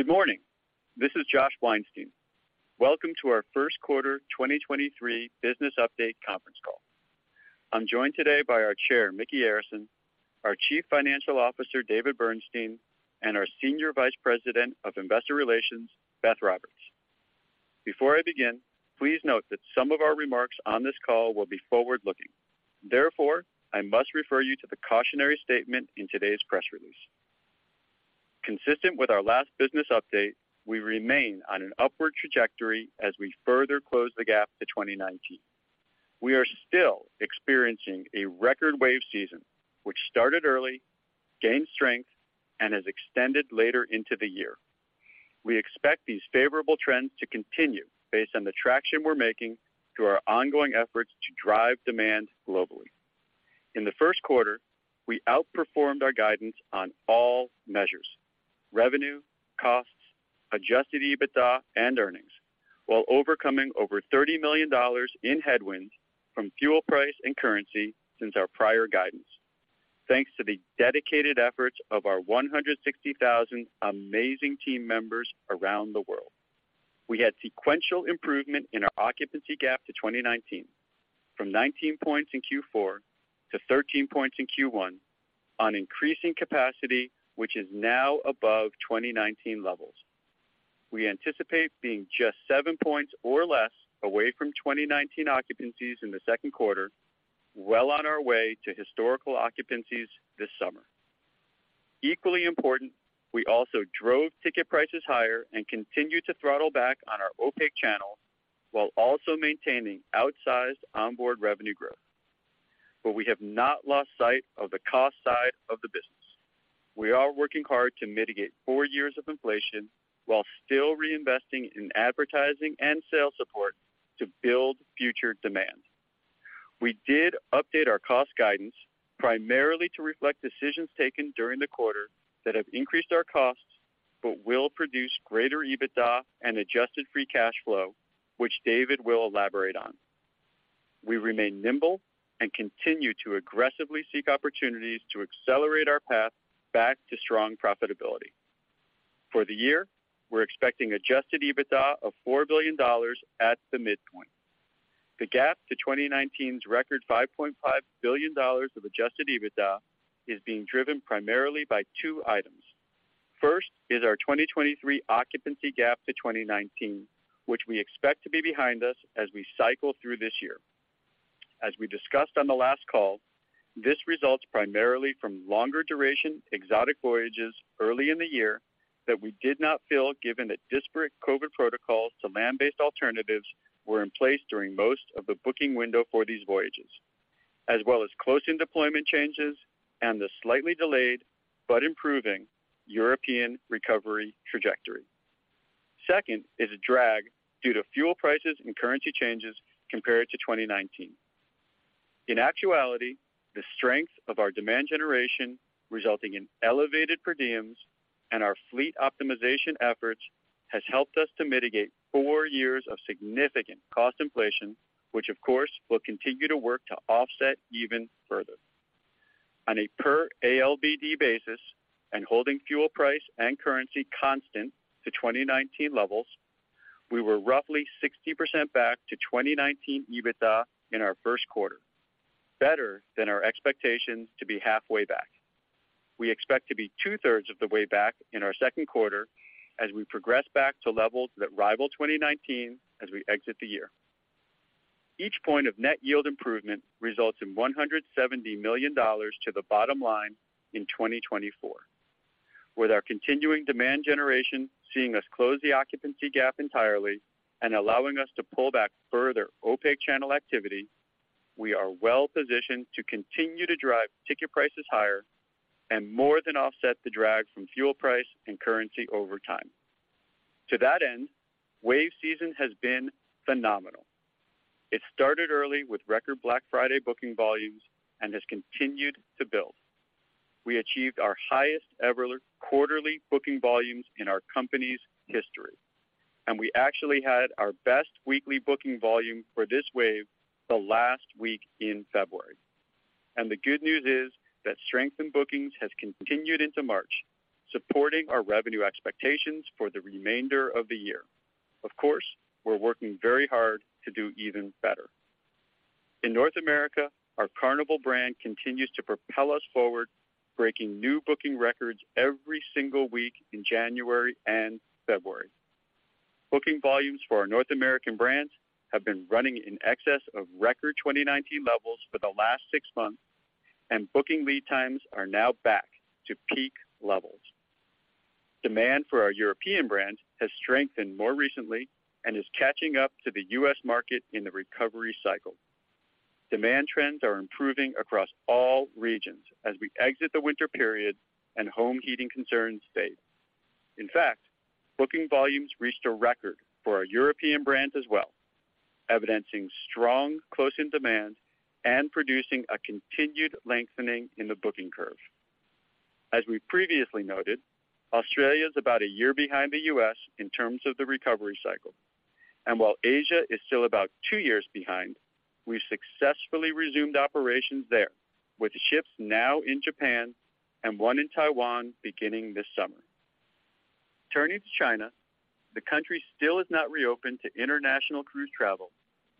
Good morning. This is Josh Weinstein. Welcome to our first quarter 2023 business update conference call. I'm joined today by our Chair, Micky Arison, our Chief Financial Officer, David Bernstein, and our Senior Vice President of Investor Relations, Beth Roberts. Before I begin, please note that some of our remarks on this call will be forward-looking. Therefore, I must refer you to the cautionary statement in today's press release. Consistent with our last business update, we remain on an upward trajectory as we further close the gap to 2019. We are still experiencing a record wave season which started early, gained strength, and has extended later into the year. We expect these favorable trends to continue based on the traction we're making through our ongoing efforts to drive demand globally. In the first quarter, we outperformed our guidance on all measures: revenue, costs, adjusted EBITDA and earnings, while overcoming over $30 million in headwinds from fuel price and currency since our prior guidance, thanks to the dedicated efforts of our 160,000 amazing team members around the world. We had sequential improvement in our occupancy gap to 2019 from 19 points in Q4 to 13 points in Q1 on increasing capacity, which is now above 2019 levels. We anticipate being just 7 points or less away from 2019 occupancies in the second quarter, well on our way to historical occupancies this summer. Equally important, we also drove ticket prices higher and continued to throttle back on our opaque channel while also maintaining outsized onboard revenue growth. We have not lost sight of the cost side of the business. We are working hard to mitigate four years of inflation while still reinvesting in advertising and sales support to build future demand. We did update our cost guidance primarily to reflect decisions taken during the quarter that have increased our costs but will produce greater EBITDA and adjusted free cash flow, which David will elaborate on. We remain nimble and continue to aggressively seek opportunities to accelerate our path back to strong profitability. For the year, we're expecting adjusted EBITDA of $4 billion at the midpoint. The gap to 2019's record $5.5 billion of adjusted EBITDA is being driven primarily by two items. First is our 2023 occupancy gap to 2019, which we expect to be behind us as we cycle through this year. We discussed on the last call, this results primarily from longer exotic voyages early in the year that we did not fill, given that disparate COVID protocols to land-based alternatives were in place during most of the booking window for these voyages, as well as closing deployment changes and the slightly delayed but improving European recovery trajectory. Second is a drag due to fuel prices and currency changes compared to 2019. In actuality, the strength of our demand generation resulting in elevated per diems and our fleet optimization efforts has helped us to mitigate four years of significant cost inflation, which of course, will continue to work to offset even further. On a per ALBD basis and holding fuel price and currency constant to 2019 levels, we were roughly 60% back to 2019 EBITDA in our first quarter, better than our expectations to be halfway back. We expect to be 2/3 of the way back in our second quarter as we progress back to levels that rival 2019 as we exit the year. Each point of net yield improvement results in $170 million to the bottom line in 2024. With our continuing demand generation seeing us close the occupancy gap entirely and allowing us to pull back further opaque channel activity, we are well-positioned to continue to drive ticket prices higher and more than offset the drag from fuel price and currency over time. To that end, wave season has been phenomenal. It started early with record Black Friday booking volumes and has continued to build. We achieved our highest-ever quarterly booking volumes in our company's history, and we actually had our best weekly booking volume for this wave the last week in February. The good news is that strength in bookings has continued into March, supporting our revenue expectations for the remainder of the year. Of course, we're working very hard to do even better. In North America, our Carnival brand continues to propel us forward, breaking new booking records every single week in January and February. Booking volumes for our North American brands have been running in excess of record 2019 levels for the last six months, and booking lead times are now back to peak levels. Demand for our European brands has strengthened more recently and is catching up to the U.S. market in the recovery cycle. Demand trends are improving across all regions as we exit the winter period and home heating concerns fade. In fact, booking volumes reached a record for our European brands as well, evidencing strong close-in demand and producing a continued lengthening in the booking curve. As we previously noted, Australia is about a year behind the U.S. in terms of the recovery cycle. While Asia is still about two years behind, we successfully resumed operations there with ships now in Japan and one in Taiwan beginning this summer. Turning to China, the country still has not reopened to international cruise travel,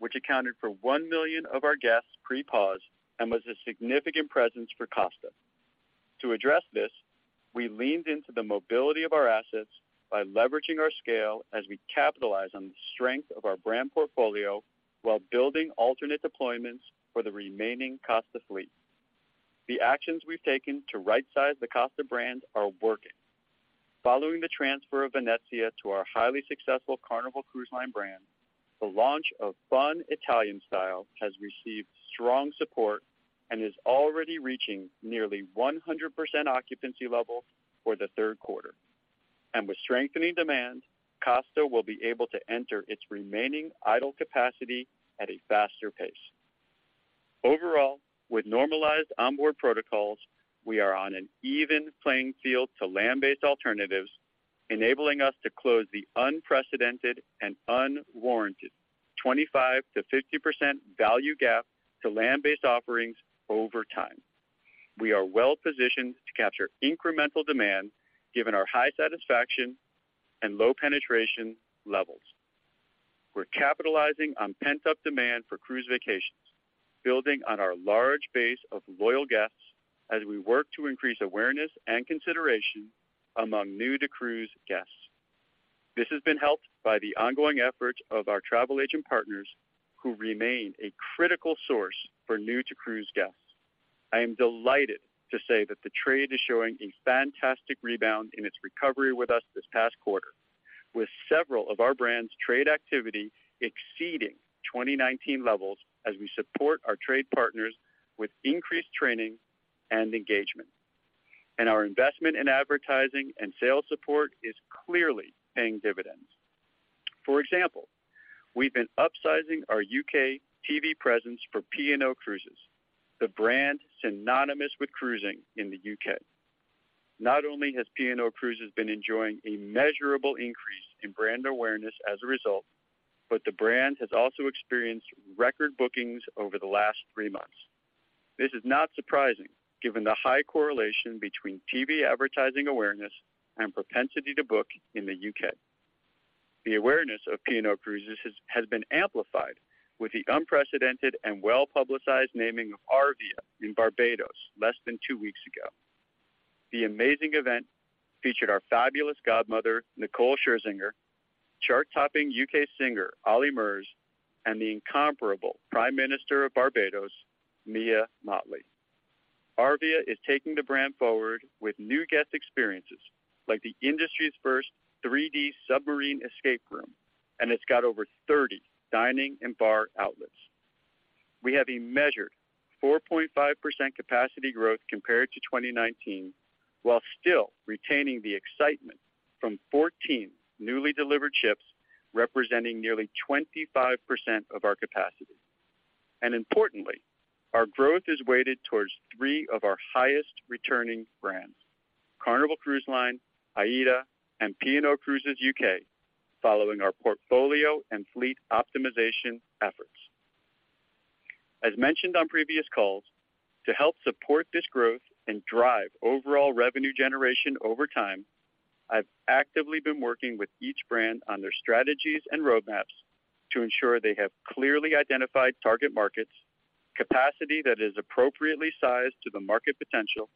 which accounted for 1 million of our guests pre-pause and was a significant presence for Costa. To address this, we leaned into the mobility of our assets by leveraging our scale as we capitalize on the strength of our brand portfolio while building alternate deployments for the remaining Costa fleet. The actions we've taken to right-size the Costa are working. Following the transfer of Venezia to our highly successful Carnival Cruise Line brand, the launch of Fun Italian Style has received strong support and is already reaching nearly 100% occupancy levels for the third quarter. With strengthening demand, Costa will be able to enter its remaining idle capacity at a faster pace. Overall, with normalized onboard protocols, we are on an even playing field to land-based alternatives, enabling us to close the unprecedented and unwarranted 25%-50% value gap to land-based offerings over time. We are well-positioned to capture incremental demand given our high satisfaction and low penetration levels. We're capitalizing on pent-up demand for cruise vacations, building on our large base of loyal guests as we work to increase awareness and consideration among new-to-cruise guests. This has been helped by the ongoing efforts of our travel agent partners who remain a critical source for new-to-cruise guests. I am delighted to say that the trade is showing a fantastic rebound in its recovery with us this past quarter, with several of our brands trade activity exceeding 2019 levels as we support our trade partners with increased training and engagement. Our investment in advertising and sales support is clearly paying dividends. For example, we've been upsizing our U.K. TV presence for P&O Cruises, the brand synonymous with cruising in the U.K. Not only has P&O Cruises been enjoying a measurable increase in brand awareness as a result, but the brand has also experienced record bookings over the last three months. This is not surprising given the high correlation between TV advertising awareness and propensity to book in the U.K. The awareness of P&O Cruises has been amplified with the unprecedented and well-publicized naming of Arvia in Barbados less than two weeks ago. The amazing event featured our fabulous godmother, Nicole Scherzinger, chart-topping U.K. singer, Olly Murs, and the incomparable Prime Minister of Barbados, Mia Mottley. Arvia is taking the brand forward with new guest experiences like the industry's first 3D submarine escape room, and it's got over 30 dining and bar outlets. We have a measured 4.5% capacity growth compared to 2019, while still retaining the excitement from 14 newly delivered ships, representing nearly 25% of our capacity. Importantly, our growth is weighted towards three of our highest returning brands, Carnival Cruise Line, AIDA, and P&O Cruises U.K., following our portfolio and fleet optimization efforts. As mentioned on previous calls, to help support this growth and drive overall revenue generation over time, I've actively been working with each brand on their strategies and roadmaps to ensure they have clearly identified target markets, capacity that is appropriately sized to the market potential,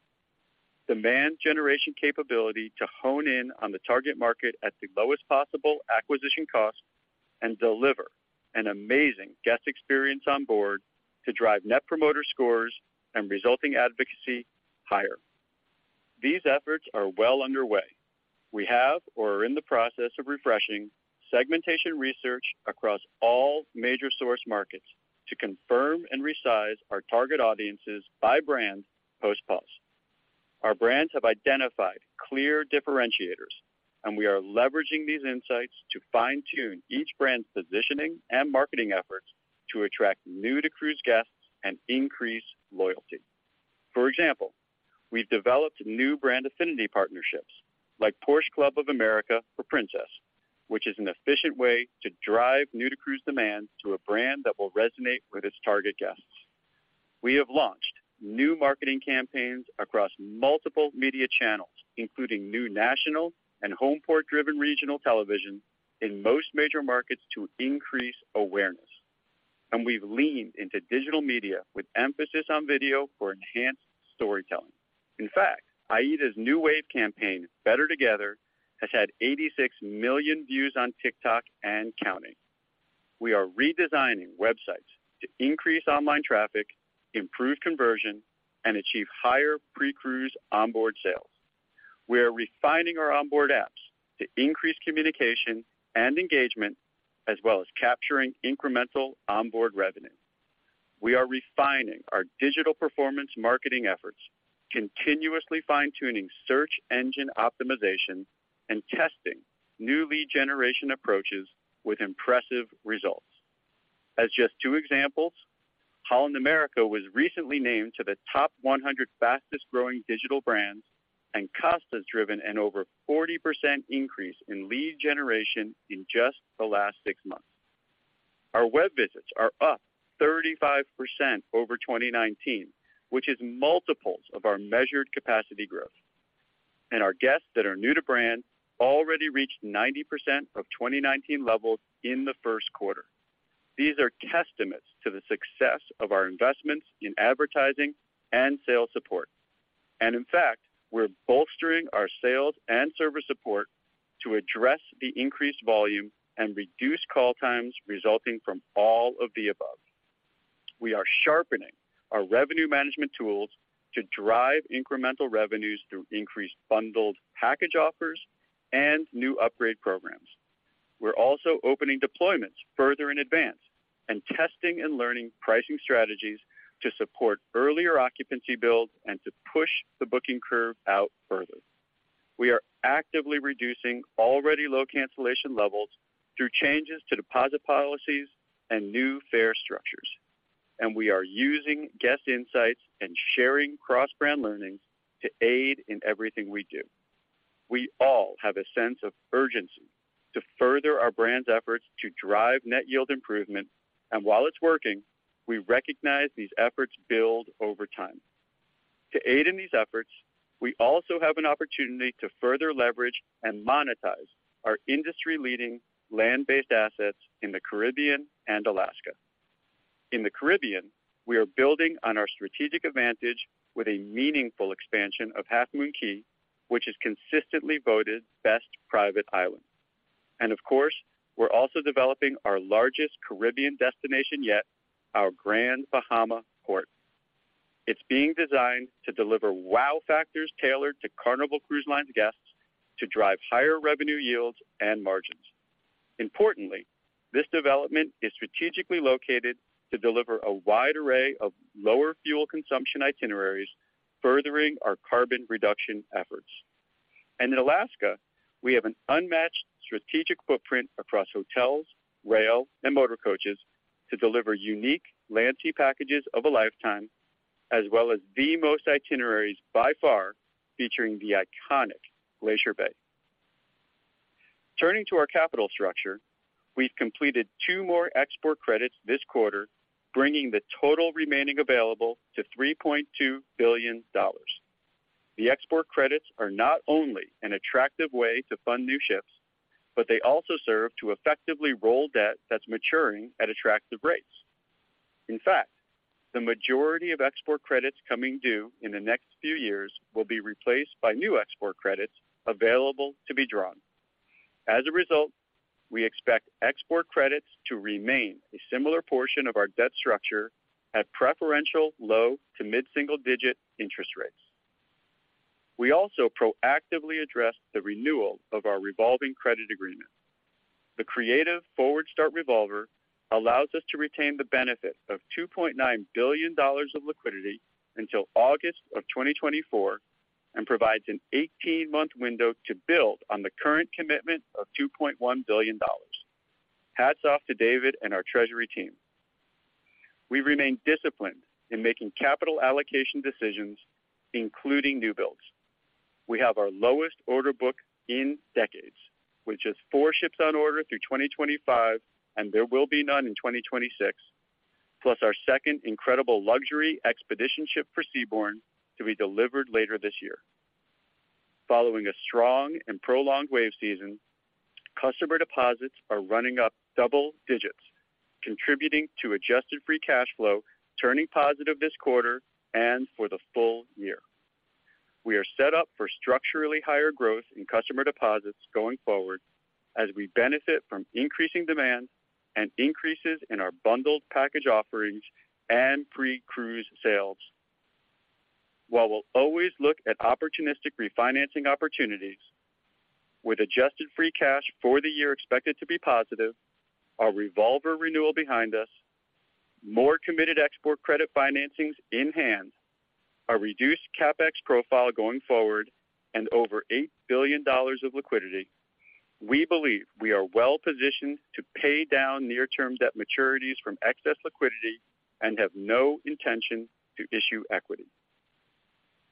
demand generation capability to hone in on the target market at the lowest possible acquisition cost, and deliver an amazing guest experience on board to drive Net Promoter Scores and resulting advocacy higher. These efforts are well underway. We have or are in the process of refreshing segmentation research across all major source markets to confirm and resize our target audiences by brand post-pause. Our brands have identified clear differentiators, and we are leveraging these insights to fine-tune each brand's positioning and marketing efforts to attract new-to-cruise guests and increase loyalty. For example, we've developed new brand affinity partnerships like Porsche Club of America for Princess, which is an efficient way to drive new-to-cruise demand to a brand that will resonate with its target guests. We have launched new marketing campaigns across multiple media channels, including new national and homeport-driven regional television in most major markets to increase awareness. We've leaned into digital media with emphasis on video for enhanced storytelling. In fact, AIDA's new wave campaign, Better Together, has had 86 million views on TikTok and counting. We are redesigning websites to increase online traffic, improve conversion, and achieve higher pre-cruise onboard sales. We are refining our onboard apps to increase communication and engagement, as well as capturing incremental onboard revenue. We are refining our digital performance marketing efforts, continuously fine-tuning search engine optimization and testing new lead generation approaches with impressive results. As just two examples, Holland America was recently named to the top 100 fastest growing digital brands, and Costa has driven an over 40% increase in lead generation in just the last six months. Our web visits are up 35% over 2019, which is multiples of our measured capacity growth. Our guests that are new to brand already reached 90% of 2019 levels in the first quarter. These are testaments to the success of our investments in advertising and sales support. In fact, we're bolstering our sales and service support to address the increased volume and reduce call times resulting from all of the above. We are sharpening our revenue management tools to drive incremental revenues through increased bundled package offers and new upgrade programs. We're also opening deployments further in advance and testing and learning pricing strategies to support earlier occupancy builds and to push the booking curve out further. We are actively reducing already low cancellation levels through changes to deposit policies and new fare structures. We are using guest insights and sharing cross-brand learnings to aid in everything we do. We all have a sense of urgency to further our brand's efforts to drive net yield improvement. While it's working, we recognize these efforts build over time. To aid in these efforts, we also have an opportunity to further leverage and monetize our industry-leading land-based assets in the Caribbean and Alaska. In the Caribbean, we are building on our strategic advantage with a meaningful expansion of Half Moon Cay, which is consistently voted best private island. Of course, we're also developing our largest Caribbean destination yet, our Grand Bahama Port. It's being designed to deliver wow factors tailored to Carnival Cruise Line guests to drive higher revenue yields and margins. Importantly, this development is strategically located to deliver a wide array of lower fuel consumption itineraries, furthering our carbon reduction efforts. In Alaska, we have an unmatched strategic footprint across hotels, rail, and motor coaches to deliver unique land-sea packages of a lifetime, as well as the most itineraries by far featuring the iconic Glacier Bay. Turning to our capital structure, we've completed two more export credits this quarter, bringing the total remaining available to $3.2 billion. The export credits are not only an attractive way to fund new ships, but they also serve to effectively roll debt that's maturing at attractive rates. In fact, the majority of export credits coming due in the next few years will be replaced by new export credits available to be drawn. As a result, we expect export credits to remain a similar portion of our debt structure at preferential low to mid-single digit interest rates. We also proactively address the renewal of our revolving credit agreement. The creative forward start revolver allows us to retain the benefit of $2.9 billion of liquidity until August of 2024, provides an 18-month window to build on the current commitment of $2.1 billion. Hats off to David and our treasury team. We remain disciplined in making capital allocation decisions, including new builds. We have our lowest order book in decades, which is four ships on order through 2025, and there will be none in 2026. Plus our second incredible luxury expedition ship for Seabourn to be delivered later this year. Following a strong and prolonged wave season, customer deposits are running up double digits, contributing to adjusted free cash flow, turning positive this quarter and for the full year. We are set up for structurally higher growth in customer deposits going forward as we benefit from increasing demand and increases in our bundled package offerings and pre-cruise sales. While we'll always look at opportunistic refinancing opportunities with adjusted free cash for the year expected to be positive, our revolver renewal behind us, more committed export credit financings in hand, a reduced CapEx profile going forward, and over $8 billion of liquidity, we believe we are well-positioned to pay down near-term debt maturities from excess liquidity and have no intention to issue equity.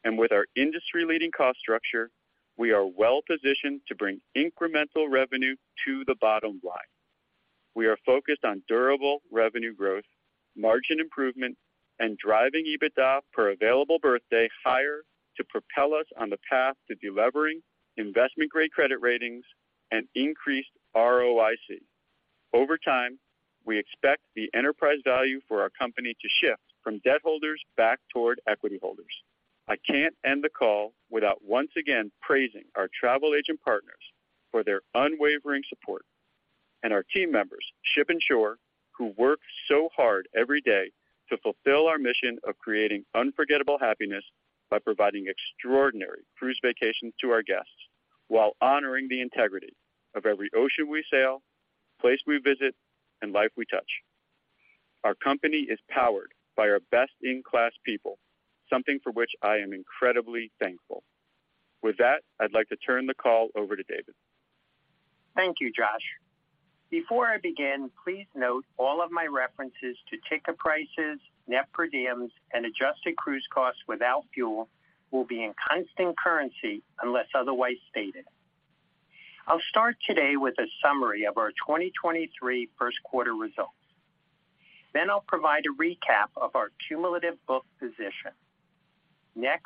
With our industry-leading cost structure, we are well-positioned to bring incremental revenue to the bottom line. We are focused on durable revenue growth, margin improvement, and driving EBITDA per available berth day higher to propel us on the path to delevering investment grade credit ratings and increased ROIC. Over time, we expect the enterprise value for our company to shift from debt holders back toward equity holders. I can't end the call without once again praising our travel agent partners for their unwavering support and our team members, ship and shore, who work so hard every day to fulfill our mission of creating unforgettable happiness by providing extraordinary cruise vacations to our guests while honoring the integrity of every ocean we sail, place we visit, and life we touch. Our company is powered by our best-in-class people, something for which I am incredibly thankful. With that, I'd like to turn the call over to David. Thank you, Josh. Before I begin, please note all of my references to ticket prices, net per diems, and adjusted cruise costs without fuel will be in constant currency unless otherwise stated. I'll start today with a summary of our 2023 first quarter results. I'll provide a recap of our cumulative book position.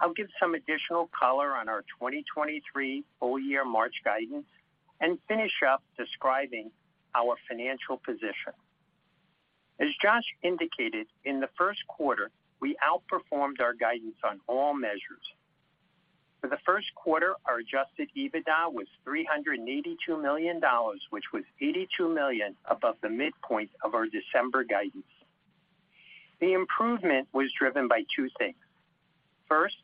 I'll give some additional color on our 2023 full year March guidance and finish up describing our financial position. As Josh indicated, in the first quarter, we outperformed our guidance on all measures. For the first quarter, our adjusted EBITDA was $382 million, which was $82 million above the midpoint of our December guidance. The improvement was driven by two things. First,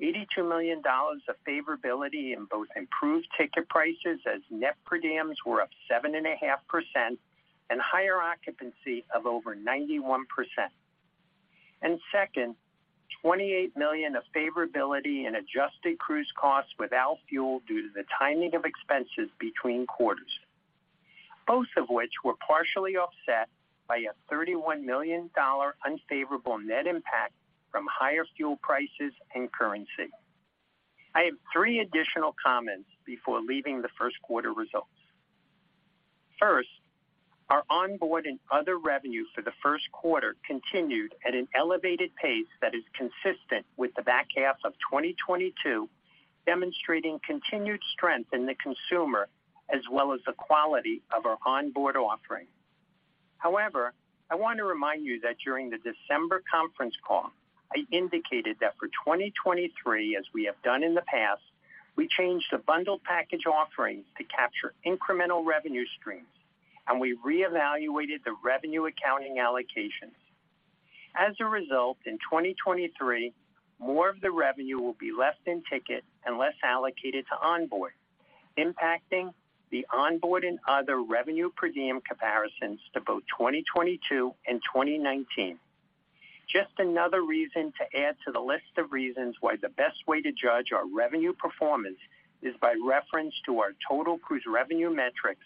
$82 million of favorability in both improved ticket prices as net per diems were up 7.5% and higher occupancy of over 91%. Second, $28 million of favorability in adjusted cruise costs excluding fuel due to the timing of expenses between quarters, both of which were partially offset by a $31 million unfavorable net impact from higher fuel prices and currency. I have three additional comments before leaving the first quarter results. First, our onboard and other revenue for the first quarter continued at an elevated pace that is consistent with the back half of 2022, demonstrating continued strength in the consumer as well as the quality of our onboard offering. However, I want to remind you that during the December conference call, I indicated that for 2023, as we have done in the past, we changed the bundled package offering to capture incremental revenue streams, and we reevaluated the revenue accounting allocations. As a result, in 2023, more of the revenue will be less in ticket and less allocated to onboard, impacting the onboard and other revenue per diem comparisons to both 2022 and 2019. Just another reason to add to the list of reasons why the best way to judge our revenue performance is by reference to our total cruise revenue metrics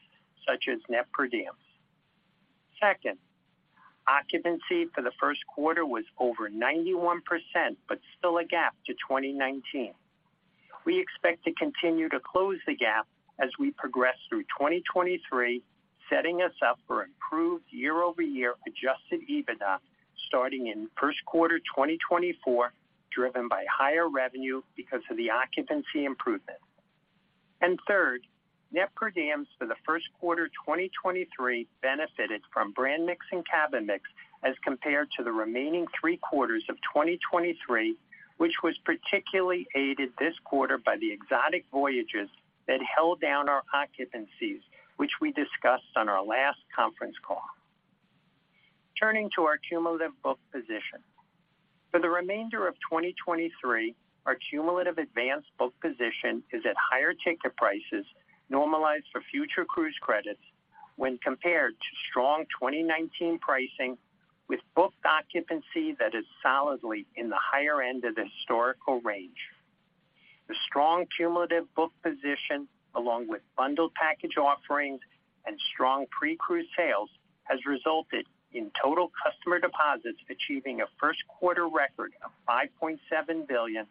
such as net per diems. Second, occupancy for the first quarter was over 91% but still a gap to 2019. We expect to continue to close the gap as we progress through 2023, setting us up for improved year-over-year adjusted EBITDA starting in first quarter 2024, driven by higher revenue because of the occupancy improvement. Third, net per diems for the first quarter 2023 benefited from brand mix and cabin mix as compared to the remaining three quarters of 2023, which was particularly aided this quarter by exotic voyages that held down our occupancies, which we discussed on our last conference call. Turning to our cumulative book position. For the remainder of 2023, our cumulative advanced book position is at higher ticket prices normalized for future cruise credits when compared to strong 2019 pricing with booked occupancy that is solidly in the higher end of the historical range. The strong cumulative book position along with bundled package offerings and strong pre-cruise sales has resulted in total customer deposits achieving a first quarter record of $5.7 billion,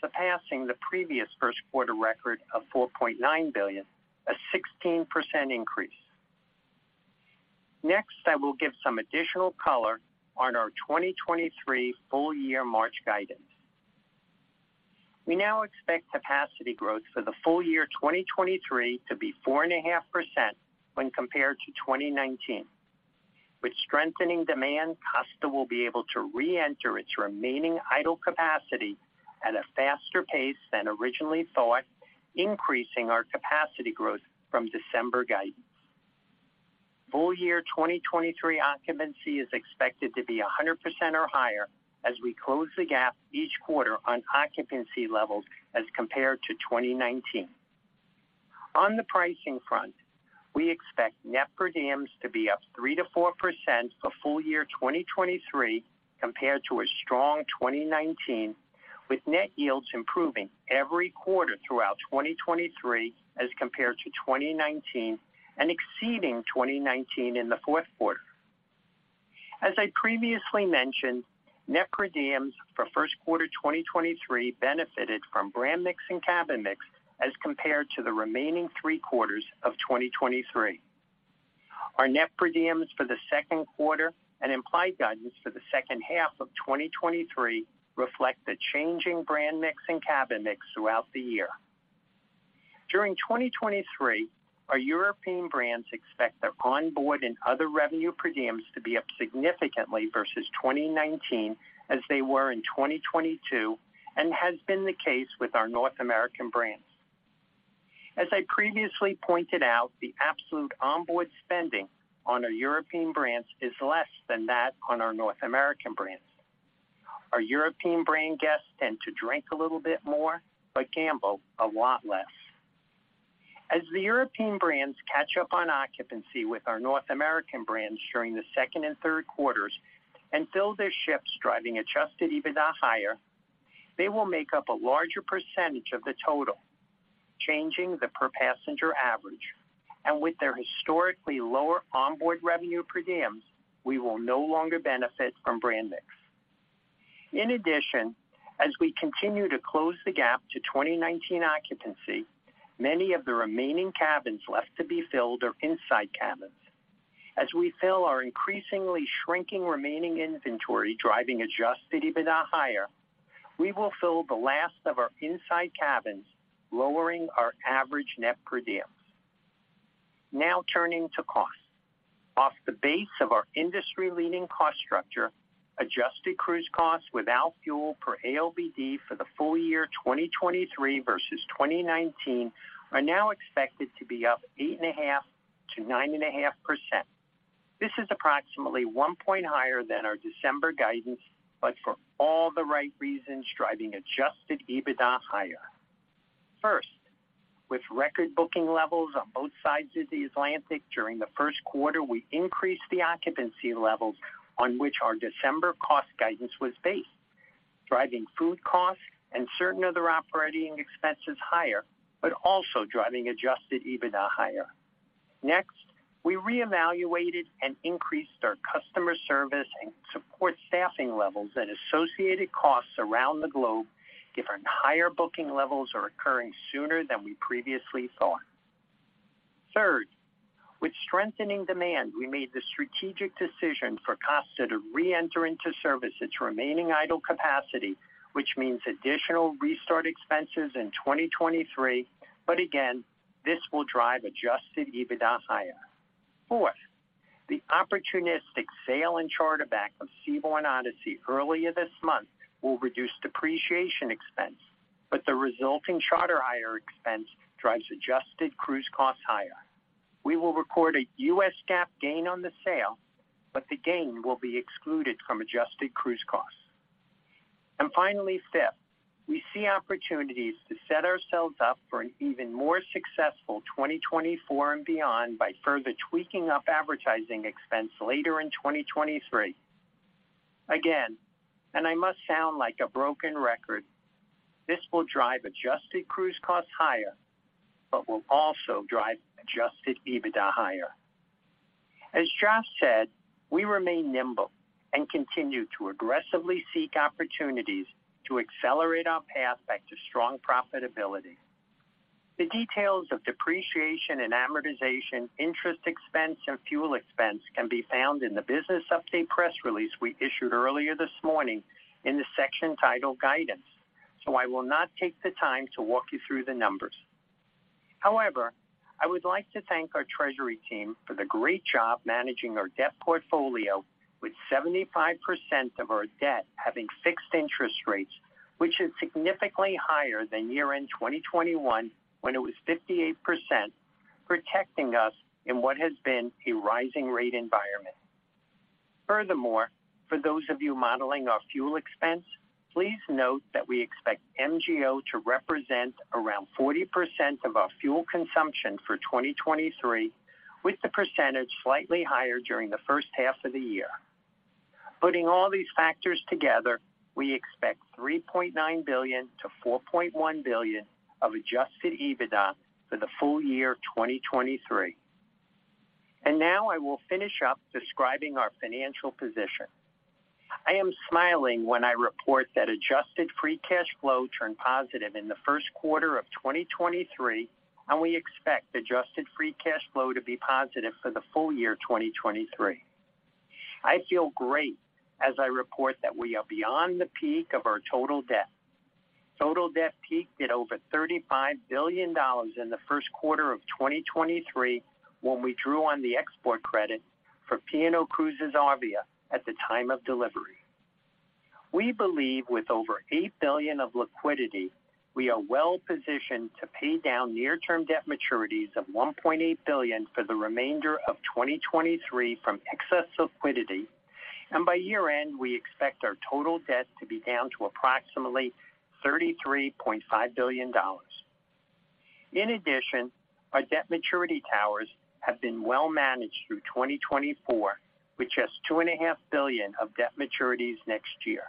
surpassing the previous first quarter record of $4.9 billion, a 16% increase. I will give some additional color on our 2023 full year March guidance. We now expect capacity growth for the full year 2023 to be 4.5% when compared to 2019. With strengthening demand, Costa will be able to reenter its remaining idle capacity at a faster pace than originally thought, increasing our capacity growth from December guidance. Full year 2023 occupancy is expected to be 100% or higher as we close the gap each quarter on occupancy levels as compared to 2019. On the pricing front, we expect net per diems to be up 3%-4% for full year 2023 compared to a strong 2019, with net yields improving every quarter throughout 2023 as compared to 2019 and exceeding 2019 in the fourth quarter. As I previously mentioned, net per diems for 1st quarter 2023 benefited from brand mix and cabin mix as compared to the remaining three quarters of 2023. Our net per diems for the second quarter and implied guidance for the second half of 2023 reflect the changing brand mix and cabin mix throughout the year. During 2023, our European brands expect their onboard and other revenue per diems to be up significantly versus 2019 as they were in 2022 and has been the case with our North American brands. As I previously pointed out, the absolute onboard spending on our European brands is less than that on our North American brands. Our European brand guests tend to drink a little bit more, but gamble a lot less. As the European brands catch up on occupancy with our North American brands during the second and third quarters and fill their ships driving adjusted EBITDA higher, they will make up a larger percentage of the total, changing the per passenger average. With their historically lower onboard revenue per diems, we will no longer benefit from brand mix. In addition, as we continue to close the gap to 2019 occupancy, many of the remaining cabins left to be filled are inside cabins. As we fill our increasingly shrinking remaining inventory driving adjusted EBITDA higher, we will fill the last of our inside cabins, lowering our average net per diems. Now turning to cost. Off the base of our industry-leading cost structure, adjusted cruise costs without fuel per ALBD for the full year 2023 versus 2019 are now expected to be up 8.5%-9.5%. This is approximately 1 point higher than our December guidance, but for all the right reasons, driving adjusted EBITDA higher. First, with record booking levels on both sides of the Atlantic during the first quarter, we increased the occupancy levels on which our December cost guidance was based, driving food costs and certain other operating expenses higher, but also driving adjusted EBITDA higher. Next, we reevaluated and increased our customer service and support staffing levels and associated costs around the globe, given higher booking levels are occurring sooner than we previously thought. Third, with strengthening demand, we made the strategic decision for Costa to reenter into service its remaining idle capacity, which means additional restart expenses in 2023. Again, this will drive adjusted EBITDA higher. Fourth, the opportunistic sale and charter back of Seabourn Odyssey earlier this month will reduce depreciation expense, but the resulting charter hire expense drives Adjusted Cruise Costs higher. We will record a US GAAP gain on the sale, but the gain will be excluded from Adjusted Cruise Costs. Finally, fifth, we see opportunities to set ourselves up for an even more successful 2024 and beyond by further tweaking up advertising expense later in 2023. Again, and I must sound like a broken record, this will drive Adjusted Cruise Costs higher but will also drive adjusted EBITDA higher. As Josh said, we remain nimble and continue to aggressively seek opportunities to accelerate our path back to strong profitability. The details of depreciation and amortization, interest expense, and fuel expense can be found in the business update press release we issued earlier this morning in the section titled Guidance. I will not take the time to walk you through the numbers. I would like to thank our treasury team for the great job managing our debt portfolio with 75% of our debt having fixed interest rates, which is significantly higher than year-end 2021, when it was 58%, protecting us in what has been a rising rate environment. Furthermore, for those of you modeling our fuel expense, please note that we expect MGO to represent around 40% of our fuel consumption for 2023, with the percentage slightly higher during the first half of the year. Putting all these factors together, we expect $3.9 billion-$4.1 billion of adjusted EBITDA for the full year 2023. Now I will finish up describing our financial position. I am smiling when I report that adjusted free cash flow turned positive in the first quarter of 2023, and we expect adjusted free cash flow to be positive for the full year 2023. I feel great as I report that we are beyond the peak of our total debt. Total debt peaked at over $35 billion in the first quarter of 2023 when we drew on the export credit for P&O Cruises Arvia at the time of delivery. We believe with over $8 billion of liquidity, we are well-positioned to pay down near-term debt maturities of $1.8 billion for the remainder of 2023 from excess liquidity. By year-end, we expect our total debt to be down to approximately $33.5 billion. In addition, our debt maturity towers have been well managed through 2024, which has $2.5 billion of debt maturities next year.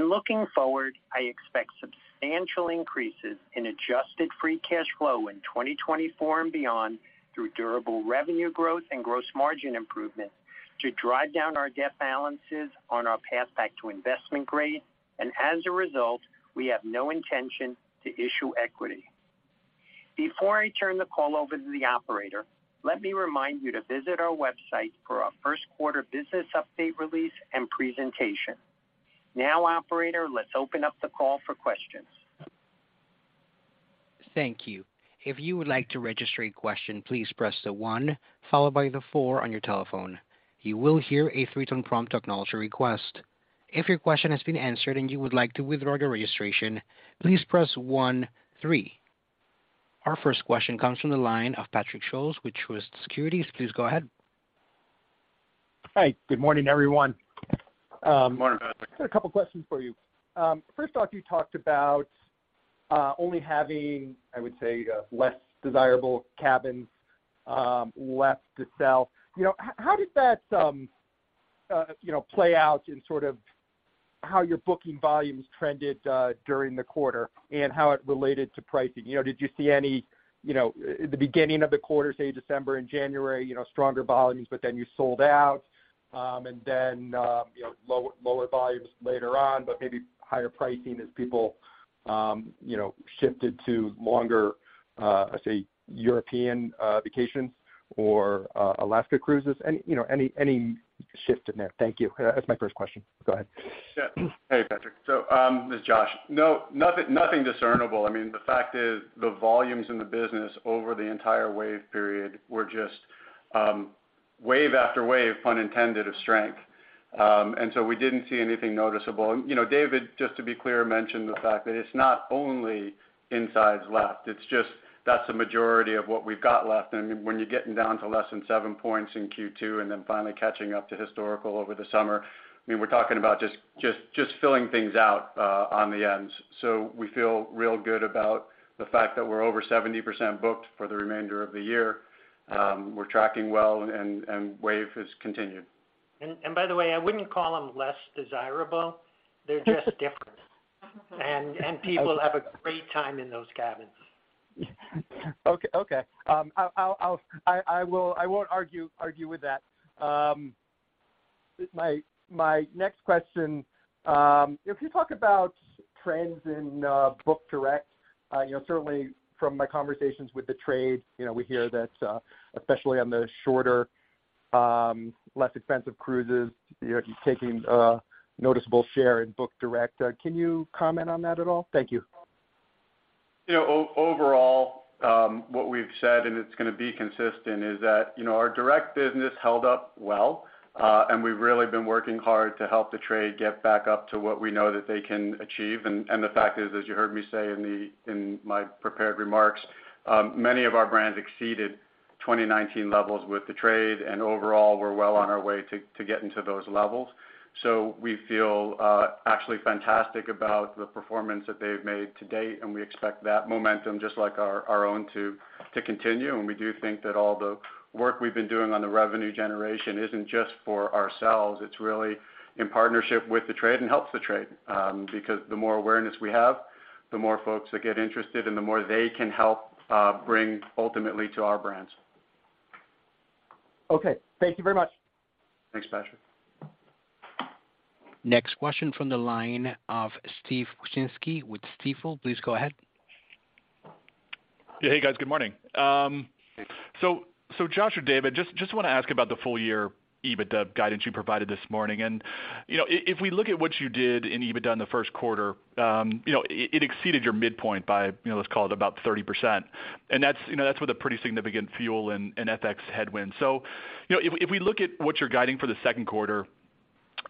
Looking forward, I expect substantial increases in adjusted free cash flow in 2024 and beyond through durable revenue growth and gross margin improvement to drive down our debt balances on our path back to investment grade. As a result, we have no intention to issue equity. Before I turn the call over to the operator, let me remind you to visit our website for our first quarter business update release and presentation. Operator, let's open up the call for questions. Thank you. If you would like to register a question, please press the one followed by the four on your telephone. You will hear a three-tone prompt to acknowledge your request. If your question has been answered and you would like to withdraw your registration, please press one, three. Our first question comes from the line of Patrick Scholes with Truist Securities. Please go ahead. Hi, good morning, everyone. Good morning. Got a couple questions for you. First off, you talked about only having, I would say, less desirable cabins left to sell. You know, how did that, you know, play out in sort of how your booking volumes trended during the quarter and how it related to pricing? You know, did you see any, you know, in the beginning of the quarter, say December and January, you know, stronger volumes, but then you sold out, and then, you know, lower volumes later on, but maybe higher pricing as people, you know, shifted to longer, say European vacations or Alaska cruises? Any, you know, any shift in there? Thank you. That's my first question. Go ahead. Hey, Patrick. This is Josh. No, nothing discernible. I mean, the fact is the volumes in the business over the entire wave period were just wave after wave, pun intended, of strength. We didn't see anything noticeable. You know, David, just to be clear, mentioned the fact that it's not only insides left, it's just that's the majority of what we've got left. When you're getting down to less than 7 points in Q2, then finally catching up to historical over the summer, I mean, we're talking about just filling things out on the ends. We feel real good about the fact that we're over 70% booked for the remainder of the year. We're tracking well and wave has continued. By the way, I wouldn't call them less desirable. They're just different. People have a great time in those cabins. Okay, okay. I will, I won't argue with that. My next question, if you talk about trends in book direct, you know, certainly from my conversations with the trade, you know, we hear that especially on the shorter, less expensive cruises, you're taking a noticeable share in book direct. Can you comment on that at all? Thank you. You know, overall, what we've said, and it's gonna be consistent, is that, you know, our direct business held up well, we've really been working hard to help the trade get back up to what we know that they can achieve. The fact is, as you heard me say in my prepared remarks, many of our brands exceeded 2019 levels with the trade, overall we're well on our way to getting to those levels. We feel actually fantastic about the performance that they've made to date, we expect that momentum, just like our own to continue. We do think that all the work we've been doing on the revenue generation isn't just for ourselves, it's really in partnership with the trade and helps the trade. The more awareness we have, the more folks that get interested and the more they can help, bring ultimately to our brands. Okay. Thank you very much. Thanks, Patrick. Next question from the line of Steve Wieczynski with Stifel. Please go ahead. Yeah. Hey, guys, good morning. Josh or David, just wanna ask about the full year EBITDA guidance you provided this morning. you know, if we look at what you did in EBITDA in the first quarter, you know, it exceeded your midpoint by, you know, let's call it about 30%. That's, you know, that's with a pretty significant fuel and FX headwind. you know, if we look at what you're guiding for the second quarter,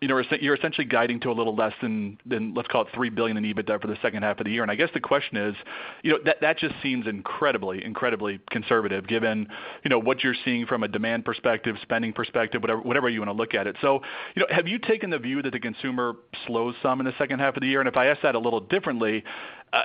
you're essentially guiding to a little less than, let's call it $3 billion in EBITDA for the second half of the year. I guess the question is, you know, that just seems incredibly conservative given, you know, what you're seeing from a demand perspective, spending perspective, whatever you wanna look at it. You know, have you taken the view that the consumer slows some in the second half of the year? If I ask that a little differently,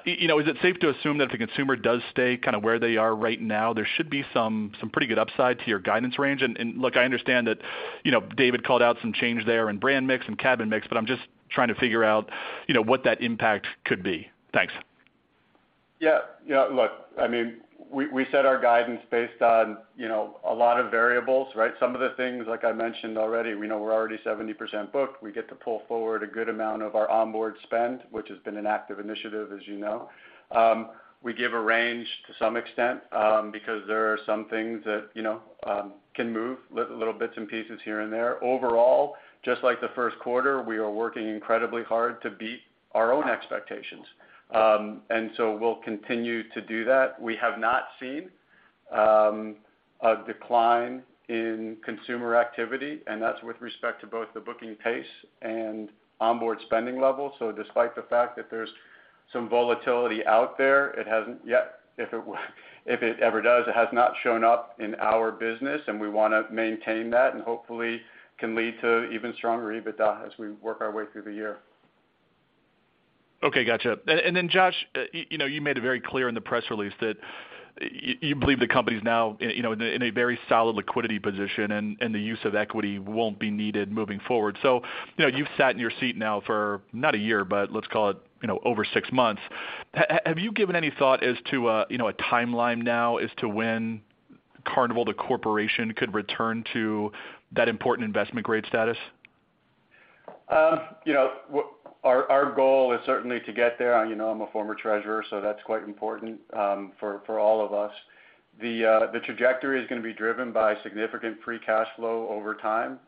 you know, is it safe to assume that if the consumer does stay kind of where they are right now, there should be some pretty good upside to your guidance range? Look, I understand that, you know, David called out some change there in brand mix and cabin mix, but I'm just trying to figure out, you know, what that impact could be? Thanks. You know, look, I mean, we set our guidance based on, you know, a lot of variables, right? Some of the things, like I mentioned already, we know we're already 70% booked. We get to pull forward a good amount of our onboard spend, which has been an active initiative, as you know. We give a range to some extent, because there are some things that, you know, can move little bits and pieces here and there. Overall, just like the first quarter, we are working incredibly hard to beat our own expectations. We'll continue to do that. We have not seen a decline in consumer activity, and that's with respect to both the booking pace and onboard spending levels. Despite the fact that there's some volatility out there, it hasn't yet, if it ever does, it has not shown up in our business, and we wanna maintain that and hopefully can lead to even stronger EBITDA as we work our way through the year. Okay. Gotcha. Then Josh, you know, you made it very clear in the press release that you believe the company's now in, you know, in a, in a very solid liquidity position and the use of equity won't be needed moving forward. You know, you've sat in your seat now for not a year, but let's call it, you know, over six months. Have you given any thought as to, you know, a timeline now as to when Carnival, the corporation, could return to that important investment grade status? You know, our goal is certainly to get there. You know, I'm a Former Treasurer, so that's quite important for all of us. The trajectory is gonna be driven by significant free cash flow over time.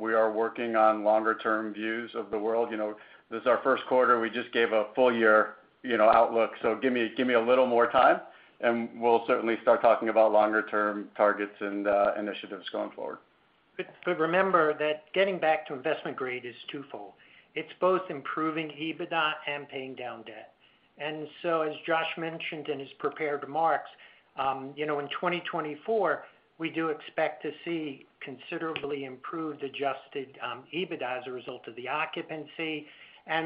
We are working on longer term views of the world. You know, this is our first quarter. We just gave a full year, you know, outlook. Give me a little more time, and we'll certainly start talking about longer term targets and initiatives going forward. Remember that getting back to investment grade is twofold. It's both improving EBITDA and paying down debt. As Josh mentioned in his prepared remarks, you know, in 2024, we do expect to see considerably improved adjusted EBITDA as a result of the occupancy.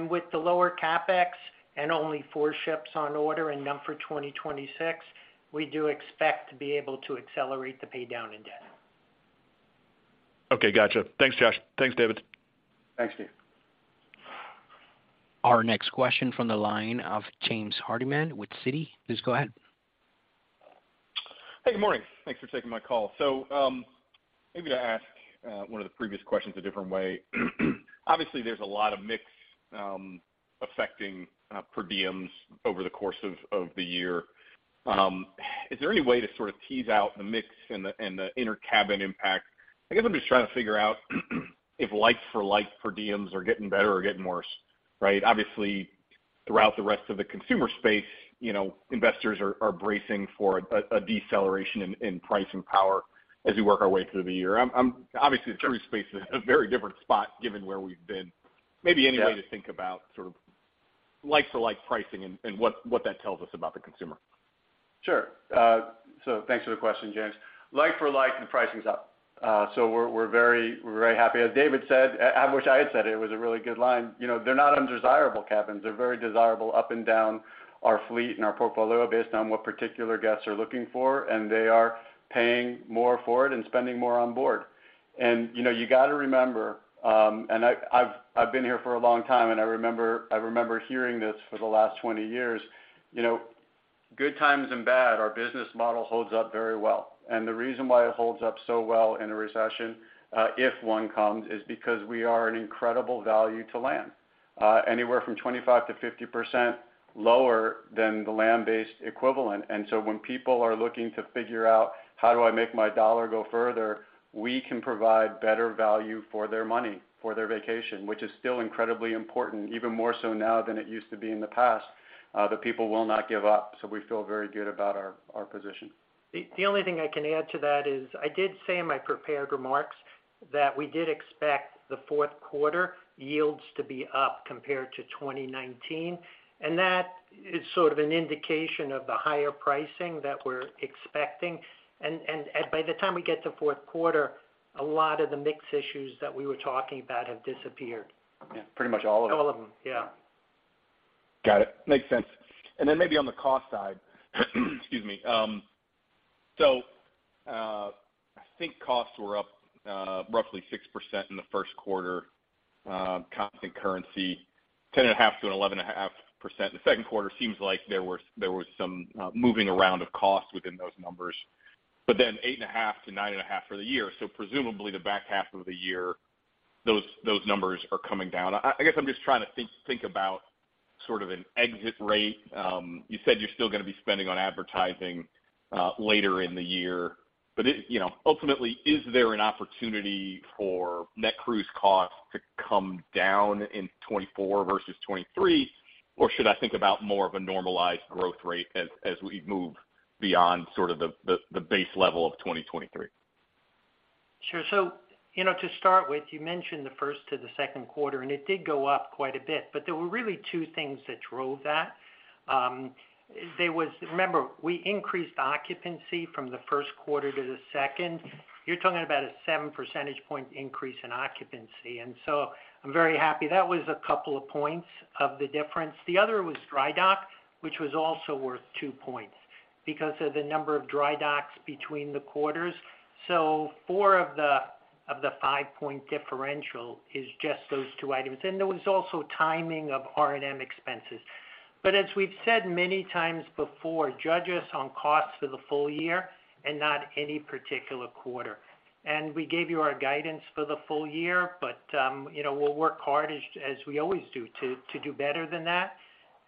With the lower CapEx and only four ships on order and none for 2026, we do expect to be able to accelerate the pay down in debt. Okay. Gotcha. Thanks, Josh. Thanks, David. Thanks, Steve. Our next question from the line of James Hardiman with Citi. Please go ahead. Hey, good morning. Thanks for taking my call. Maybe to ask one of the previous questions a different way. Obviously, there's a lot of mix affecting per diems over the course of the year. Is there any way to sort of tease out the mix and the inner cabin impact? I guess I'm just trying to figure out if like for like per diems are getting better or getting worse, right? Obviously, throughout the rest of the consumer space, you know, investors are bracing for a deceleration in pricing power as we work our way through the year. I'm obviously-... the cruise space is in a very different spot given where we've been. Maybe any way to think about sort of like to like pricing and what that tells us about the consumer? Sure. Thanks for the question, James. Like for like, the pricing's up. We're very happy. As David said, I wish I had said it was a really good line. You know, they're not undesirable cabins. They're very desirable up and down our fleet and our portfolio based on what particular guests are looking for, and they are paying more for it and spending more on board. You know, you gotta remember, and I've been here for a long time, and I remember hearing this for the last 20 years. You know, good times and bad, our business model holds up very well. The reason why it holds up so well in a recession, if one comes, is because we are an incredible value to land, anywhere from 25%-50% lower than the land-based equivalent. When people are looking to figure out how do I make my dollar go further, we can provide better value for their money, for their vacation, which is still incredibly important, even more so now than it used to be in the past, that people will not give up. We feel very good about our position. The only thing I can add to that is I did say in my prepared remarks that we did expect the fourth quarter yields to be up compared to 2019, and that is sort of an indication of the higher pricing that we're expecting. By the time we get to fourth quarter, a lot of the mix issues that we were talking about have disappeared. Yeah, pretty much all of them. All of them. Yeah. Got it. Makes sense. Maybe on the cost side. Excuse me. I think costs were up roughly 6% in the first quarter, constant currency, 10.5%-11.5%. The second quarter seems like there was some moving around of cost within those numbers. 8.5%-9.5% for the year. Presumably the back half of the year, those numbers are coming down. I guess I'm just trying to think about sort of an exit rate. You said you're still gonna be spending on advertising later in the year. You know, ultimately, is there an opportunity for net cruise costs to come down in 2024 versus 2023? Should I think about more of a normalized growth rate as we move beyond sort of the base level of 2023? Sure. You know, to start with, you mentioned the first to the second quarter, and it did go up quite a bit, but there were really two things that drove that. Remember, we increased occupancy from the first quarter to the second. You're talking about a 7 percentage point increase in occupancy, and so I'm very happy. That was a couple of points of the difference. The other was dry dock, which was also worth 2 points because of the number of dry docks between the quarters. Four of the 5-point differential is just those two items. There was also timing of R&M expenses. As we've said many times before, judge us on costs for the full year and not any particular quarter. We gave you our guidance for the full year, but, you know, we'll work hard as we always do to do better than that.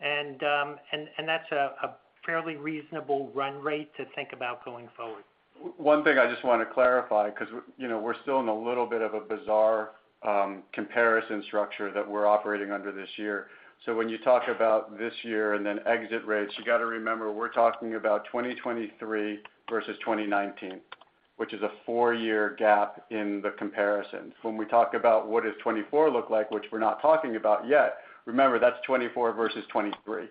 That's a fairly reasonable run rate to think about going forward. One thing I just wanna clarify because, you know, we're still in a little bit of a bizarre, comparison structure that we're operating under this year. When you talk about this year and then exit rates, you gotta remember we're talking about 2023 versus 2019, which is a four-year gap in the comparisons. When we talk about what does 2024 look like, which we're not talking about yet, remember, that's 2024 versus 2023.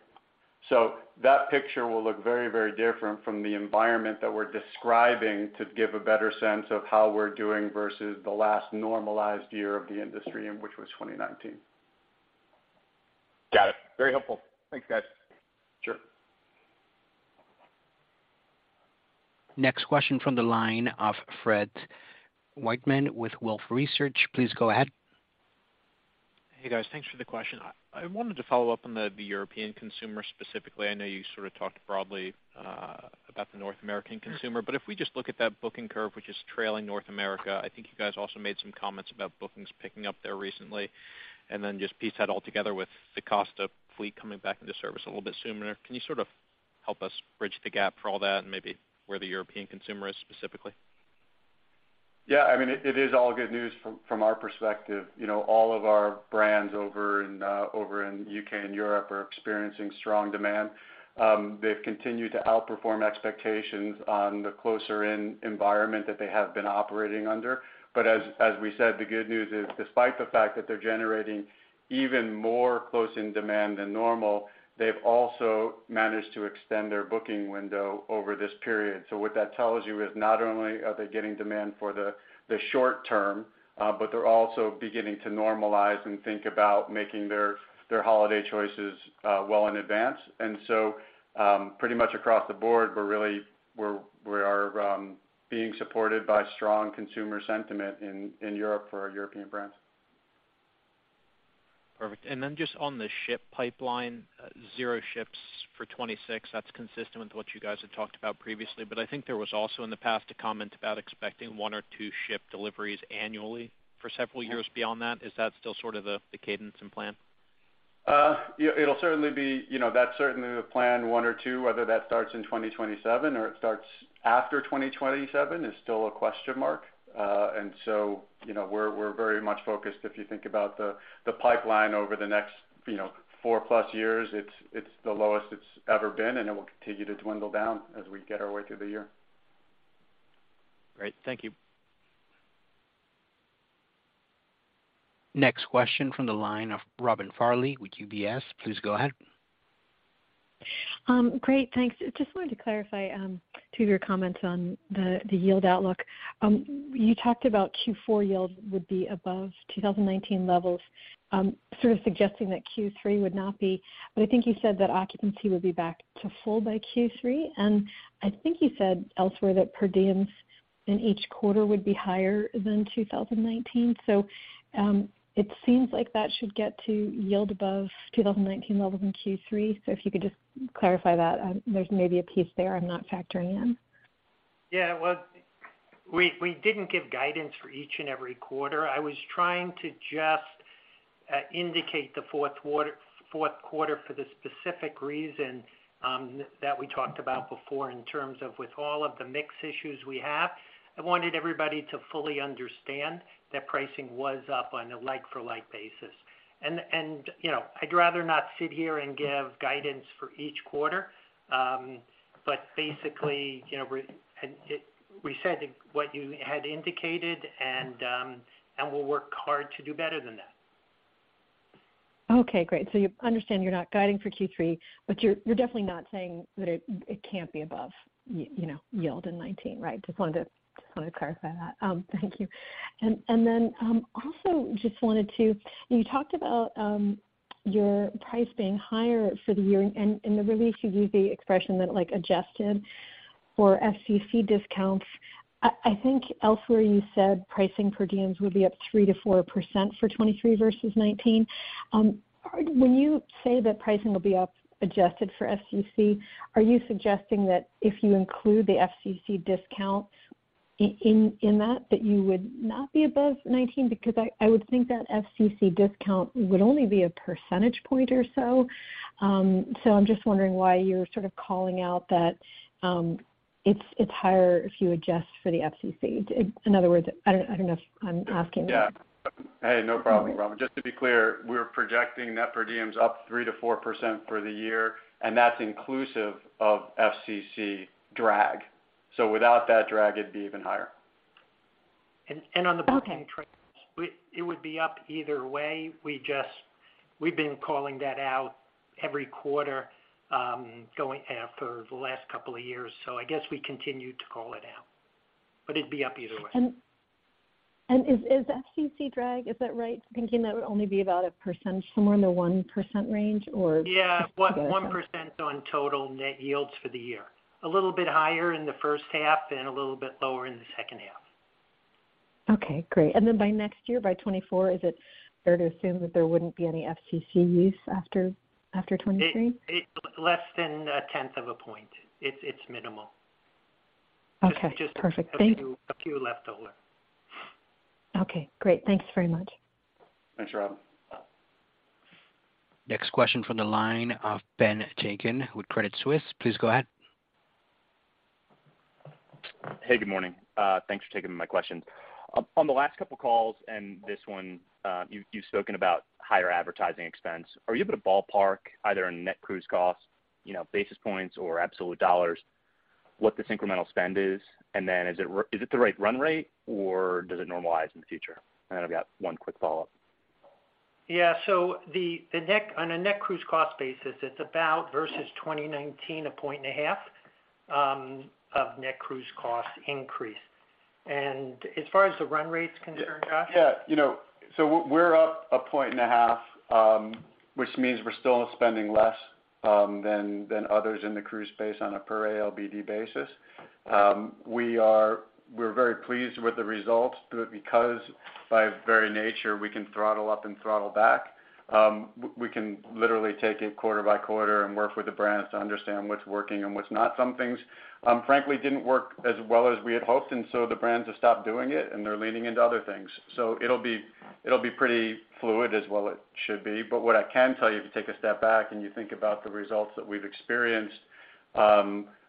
That picture will look very, very different from the environment that we're describing to give a better sense of how we're doing versus the last normalized year of the industry, and which was 2019. Got it. Very helpful. Thanks, guys. Sure. Next question from the line of Fred Wightman with Wolfe Research. Please go ahead. Hey, guys. Thanks for the question. I wanted to follow up on the European consumer specifically. I know you sort of talked broadly about the North American consumer. If we just look at that booking curve, which is trailing North America, I think you guys also made some comments about bookings picking up there recently. Then just piece that all together with the Costa fleet coming back into service a little bit sooner. Can you sort of help us bridge the gap for all that and maybe where the European consumer is specifically? Yeah, I mean, it is all good news from our perspective. You know, all of our brands over in the U.K. and Europe are experiencing strong demand. They've continued to outperform expectations on the closer in environment that they have been operating under. As we said, the good news is despite the fact that they're generating even more close-in demand than normal, they've also managed to extend their booking window over this period. What that tells you is not only are they getting demand for the short term, but they're also beginning to normalize and think about making their holiday choices well in advance. Pretty much across the board, we're, we are being supported by strong consumer sentiment in Europe for our European brands. Perfect. Then just on the ship pipeline, zero ships for 2026, that's consistent with what you guys had talked about previously. I think there was also in the past a comment about expecting one or two ship deliveries annually for several years beyond that. Is that still sort of the cadence and plan? Yeah, You know, that's certainly the plan, one or two, whether that starts in 2027 or it starts after 2027 is still a question mark. You know, we're very much focused, if you think about the pipeline over the next, you know, four-plus years, it's the lowest it's ever been, and it will continue to dwindle down as we get our way through the year. Great. Thank you. Next question from the line of Robin Farley with UBS. Please go ahead. Great. Thanks. Just wanted to clarify, two of your comments on the yield outlook. You talked about Q4 yield would be above 2019 levels, sort of suggesting that Q3 would not be. I think you said that occupancy would be back to full by Q3. I think you said elsewhere that per diems in each quarter would be higher than 2019. It seems like that should get to yield above 2019 levels in Q3. If you could just clarify that. There's maybe a piece there I'm not factoring in. Yeah. Well, we didn't give guidance for each and every quarter. I was trying to just indicate the fourth quarter for the specific reason that we talked about before in terms of with all of the mix issues we have. I wanted everybody to fully understand that pricing was up on a like-for-like basis. You know, I'd rather not sit here and give guidance for each quarter. Basically, you know, We said what you had indicated and we'll work hard to do better than that. Okay, great. You understand you're not guiding for Q3, but you're definitely not saying that it can't be above you know, yield in 2019, right? Just want to clarify that. Thank you. Then, also, you talked about your price being higher for the year, and in the release, you use the expression that like adjusted for FCC discounts. I think elsewhere you said pricing per diems would be up 3% to 4% for 2023 versus 2019. When you say that pricing will be up adjusted for FCC, are you suggesting that if you include the FCC discount in that you would not be above 2019? Because I would think that FCC discount would only be a percentage point or so. I'm just wondering why you're sort of calling out that, it's higher if you adjust for the FCC. In other words, I don't know if I'm asking. Yeah. Hey, no problem, Robin. Just to be clear, we're projecting net per diems up 3% to 4% for the year, and that's inclusive of FCC drag. Without that drag, it'd be even higher. And, and on the- Okay... booking trends, it would be up either way. We've been calling that out every quarter, for the last couple of years. I guess we continue to call it out. It'd be up either way. Is FCC drag, is that right, thinking that would only be about about a percent, somewhere in the 1% range, or? Yeah, 1% on total net yields for the year. A little bit higher in the first half and a little bit lower in the second half. Okay, great. By next year, by 2024, is it fair to assume that there wouldn't be any FCC use after 2023? Less than a 10th of a point. It's minimal. Okay. Perfect. Thank- Just a few left over. Okay, great. Thanks very much. Thanks, Robin. Next question from the line of Ben Chaiken with Credit Suisse. Please go ahead. Hey, good morning. Thanks for taking my questions. On the last couple of calls and this one, you've spoken about higher advertising expense. Are you able to ballpark either a net cruise cost, you know, basis points or absolute dollars, what this incremental spend is? Is it the right run rate, or does it normalize in the future? I've got one quick follow-up. Yeah. On a net cruise cost basis, it's about versus 2019, a point and a half of net cruise cost increase. As far as the run rate's concerned, Josh? Yeah. You know, we're up 1.5 points, which means we're still spending less than others in the cruise space on a per ALBD basis. We're very pleased with the results do it because by its very nature, we can throttle up and throttle back. We can literally take it quarter by quarter and work with the brands to understand what's working and what's not. Some things, frankly, didn't work as well as we had hoped, and so the brands have stopped doing it, and they're leaning into other things. It'll be, it'll be pretty fluid as well it should be. What I can tell you, if you take a step back and you think about the results that we've experienced,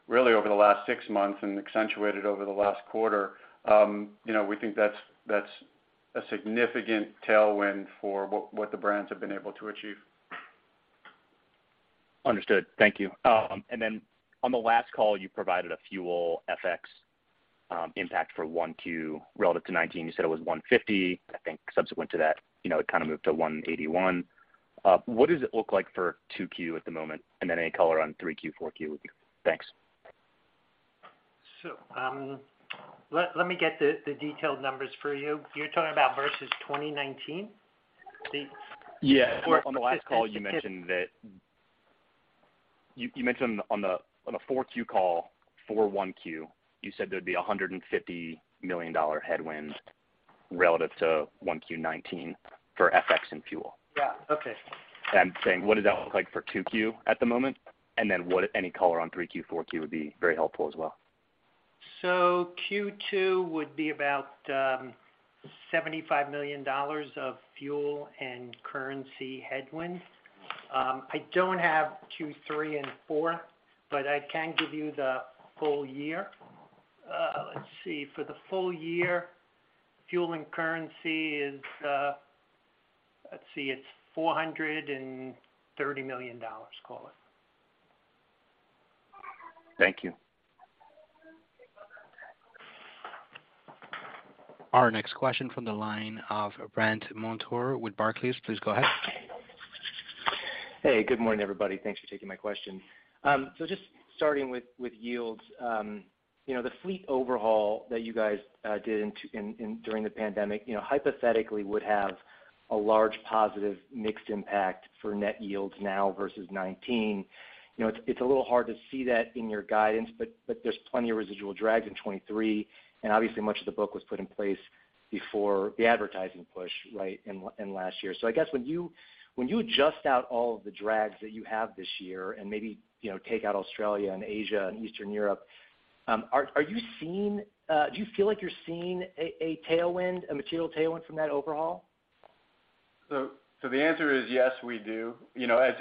really over the last six months and accentuated over the last quarter, you know, we think that's a significant tailwind for what the brands have been able to achieve. Understood. Thank you. On the last call, you provided a fuel FX impact for 1Q relative to 2019. You said it was $150. I think subsequent to that, you know, it kind of moved to $181. What does it look like for 2Q at the moment? Any color on 3Q, 4Q would be. Thanks. Let me get the detailed numbers for you. You're talking about versus 2019? Yeah. On the last call, you mentioned on the 4Q call for 1Q, you said there'd be a $150 million headwind relative to 1Q 2019 for FX and fuel. Yeah. Okay. I'm saying, what does that look like for 2Q at the moment? Any color on 3Q, 4Q would be very helpful as well. Q2 would be about $75 million of fuel and currency headwind. I don't have Q3 and four, but I can give you the full year. For the full year, fuel and currency is, it's $430 million, call it. Thank you. Our next question from the line of Brandt Montour with Barclays. Please go ahead. Hey, good morning, everybody. Thanks for taking my question. Just starting with yields, you know, the fleet overhaul that you guys did during the pandemic, you know, hypothetically would have a large positive mixed impact for net yields now versus 2019. You know, it's a little hard to see that in your guidance, but there's plenty of residual drags in 2023, and obviously much of the book was put in place before the advertising push, right, in last year. I guess when you adjust out all of the drags that you have this year and maybe, you know, take out Australia and Asia and Eastern Europe, are you seeing, do you feel like you're seeing a material tailwind from that overhaul? The answer is yes, we do. You know, as,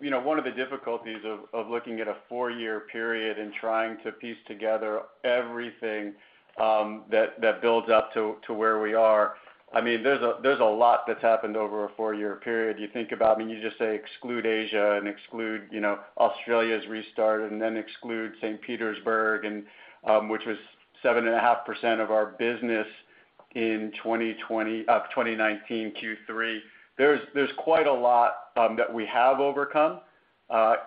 you know, one of the difficulties of looking at a 4-year period and trying to piece together everything that builds up to where we are, I mean, there's a lot that's happened over a 4-year period. You think about, I mean, you just say exclude Asia and exclude, you know, Australia's restart and then exclude St. Petersburg, and which was 7.5% of our business in 2020, 2019 Q3. There's quite a lot that we have overcome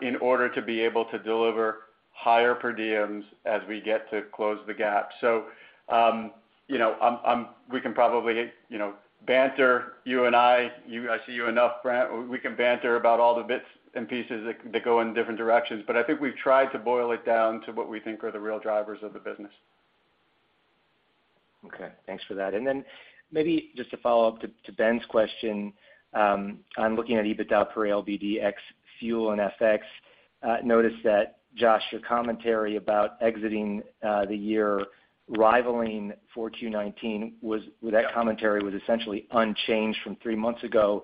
in order to be able to deliver higher per diems as we get to close the gap. You know, we can probably, you know, banter, you and I. I see you enough, Brandt. We can banter about all the bits and pieces that go in different directions. I think we've tried to boil it down to what we think are the real drivers of the business. Okay. Thanks for that. Maybe just to follow up to Ben's question, I'm looking at EBITDA per ALBD ex fuel and FX. Noticed that, Josh, your commentary about exiting, the year rivaling for 2019 was. Yeah. That commentary was essentially unchanged from three months ago.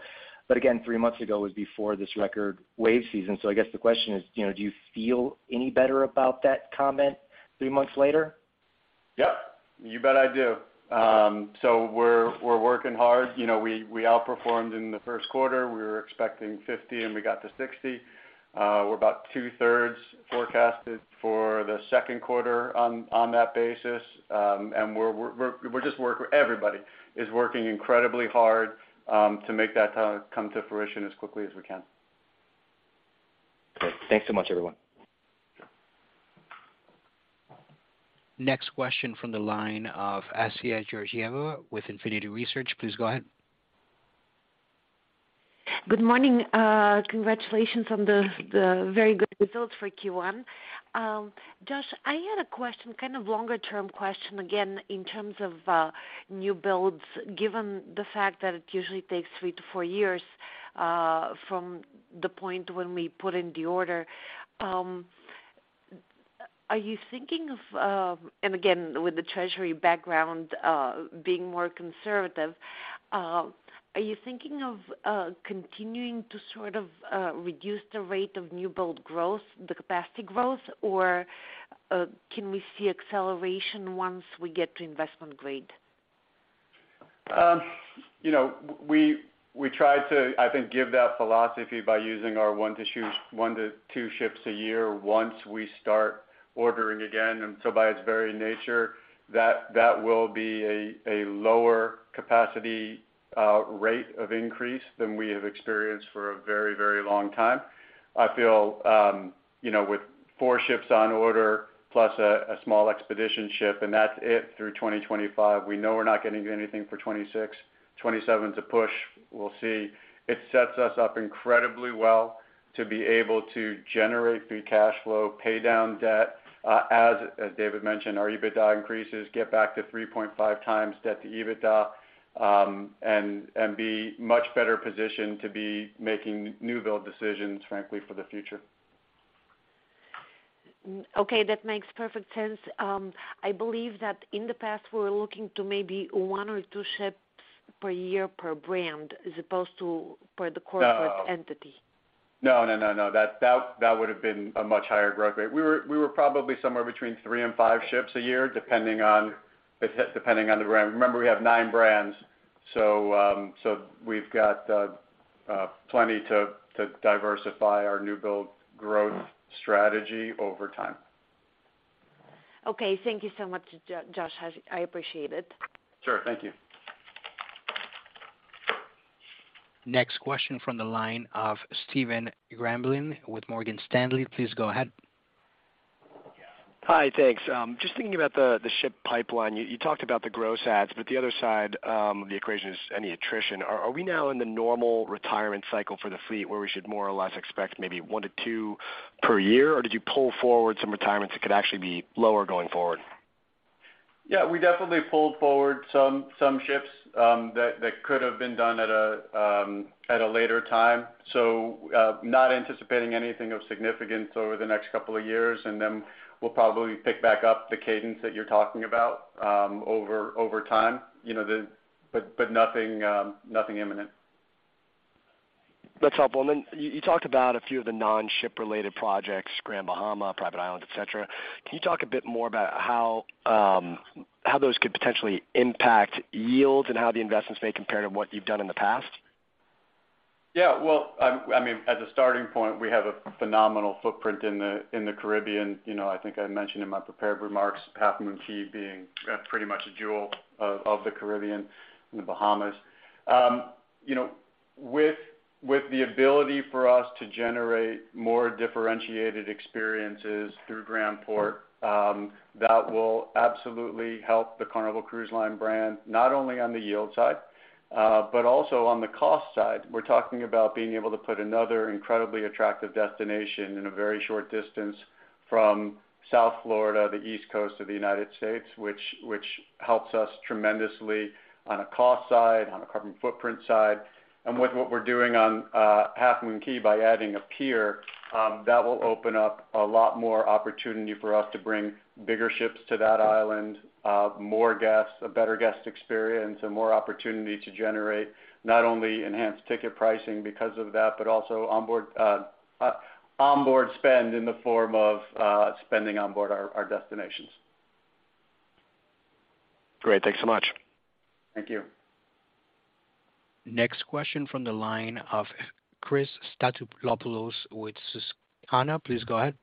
Again, three months ago was before this record wave season. I guess the question is, you know, do you feel any better about that comment three months later? Yep, you bet I do. We're, we're working hard. You know, we outperformed in the first quarter. We were expecting 50, and we got to 60. We're about 2/3 forecasted for the second quarter on that basis. Everybody is working incredibly hard to make that come to fruition as quickly as we can. Great. Thanks so much, everyone. Next question from the line of Assia Georgieva with Infinity Research. Please go ahead. Good morning. Congratulations on the very good results for Q1. Josh, I had a question, kind of longer-term question, again, in terms of new builds, given the fact that it usually takes three to four years from the point when we put in the order. Are you thinking of... and again, with the treasury background, being more conservative, are you thinking of continuing to sort of reduce the rate of new build growth, the capacity growth, or can we see acceleration once we get to investment grade? You know, we try to, I think, give that philosophy by using our one to two ships a year once we start ordering again. By its very nature, that will be a lower capacity rate of increase than we have experienced for a very long time. I feel, you know, with four ships on order plus a small expedition ship, and that's it through 2025, we know we're not getting anything for 2026. 2027 to push, we'll see. It sets us up incredibly well to be able to generate the cash flow, pay down debt, as David mentioned, our EBITDA increases, get back to 3.5x debt to EBITDA, and be much better positioned to be making new build decisions, frankly, for the future. Okay. That makes perfect sense. I believe that in the past, we were looking to maybe one or two ships per year per brand as opposed to per the corporate entity. No, no, no. That would have been a much higher growth rate. We were probably somewhere between three and five ships a year, depending on the brand. Remember, we have nine brands, so we've got plenty to diversify our new build growth strategy over time. Okay. Thank you so much, Josh. I appreciate it. Sure. Thank you. Next question from the line of Stephen Grambling with Morgan Stanley. Please go ahead. Hi. Thanks. Just thinking about the ship pipeline. You talked about the gross adds, but the other side of the equation is any attrition. Are we now in the normal retirement cycle for the fleet where we should more or less expect maybe one to two per year, or did you pull forward some retirements that could actually be lower going forward? Yeah, we definitely pulled forward some ships that could have been done at a later time. Not anticipating anything of significance over the next couple of years, and then we'll probably pick back up the cadence that you're talking about over time. You know, nothing imminent. That's helpful. You talked about a few of the non-ship related projects, Grand Bahama private island, et cetera. Can you talk a bit more about how those could potentially impact yields and how the investments may compare to what you've done in the past? Well, I mean, as a starting point, we have a phenomenal footprint in the Caribbean. You know, I think I mentioned in my prepared remarks, Half Moon Cay being pretty much a jewel of the Caribbean in the Bahamas. You know, with the ability for us to generate more differentiated experiences through Grand Port, that will absolutely help the Carnival Cruise Line brand, not only on the yield side, but also on the cost side. We're talking about being able to put another incredibly attractive destination in a very short distance from South Florida, the East Coast of the United States, which helps us tremendously on a cost side, on a carbon footprint side. With what we're doing on Half Moon Cay by adding a pier, that will open up a lot more opportunity for us to bring bigger ships to that island, more guests, a better guest experience, and more opportunity to generate not only enhanced ticket pricing because of that, but also onboard spend in the form of spending on board our destinations. Great. Thanks so much. Thank you. Next question from the line of Chris Stathoulopoulos with Susquehanna. Please go ahead.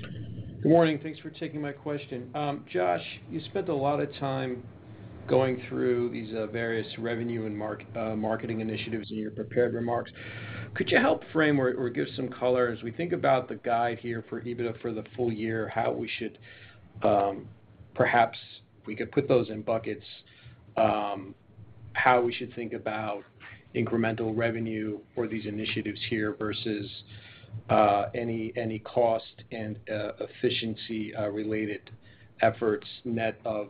Good morning. Thanks for taking my question. Josh, you spent a lot of time going through these various revenue and marketing initiatives in your prepared remarks. Could you help frame or give some color as we think about the guide here for EBITDA for the full year, how we should perhaps we could put those in buckets, how we should think about incremental revenue for these initiatives here versus any cost and efficiency related efforts net of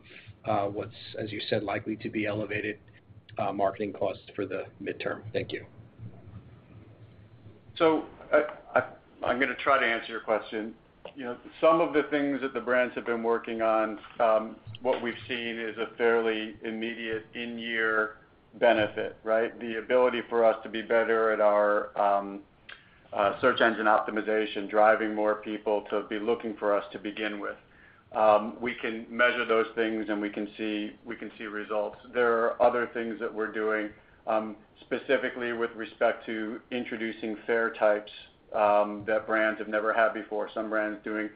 what's, as you said, likely to be elevated marketing costs for the midterm? Thank you. I'm gonna try to answer your question. You know, some of the things that the brands have been working on, what we've seen is a fairly immediate in-year benefit, right? The ability for us to be better at our search engine optimization, driving more people to be looking for us to begin with. We can measure those things, and we can see results. There are other things that we're doing, specifically with respect to introducing fare types, that brands have never had before. Some brands doing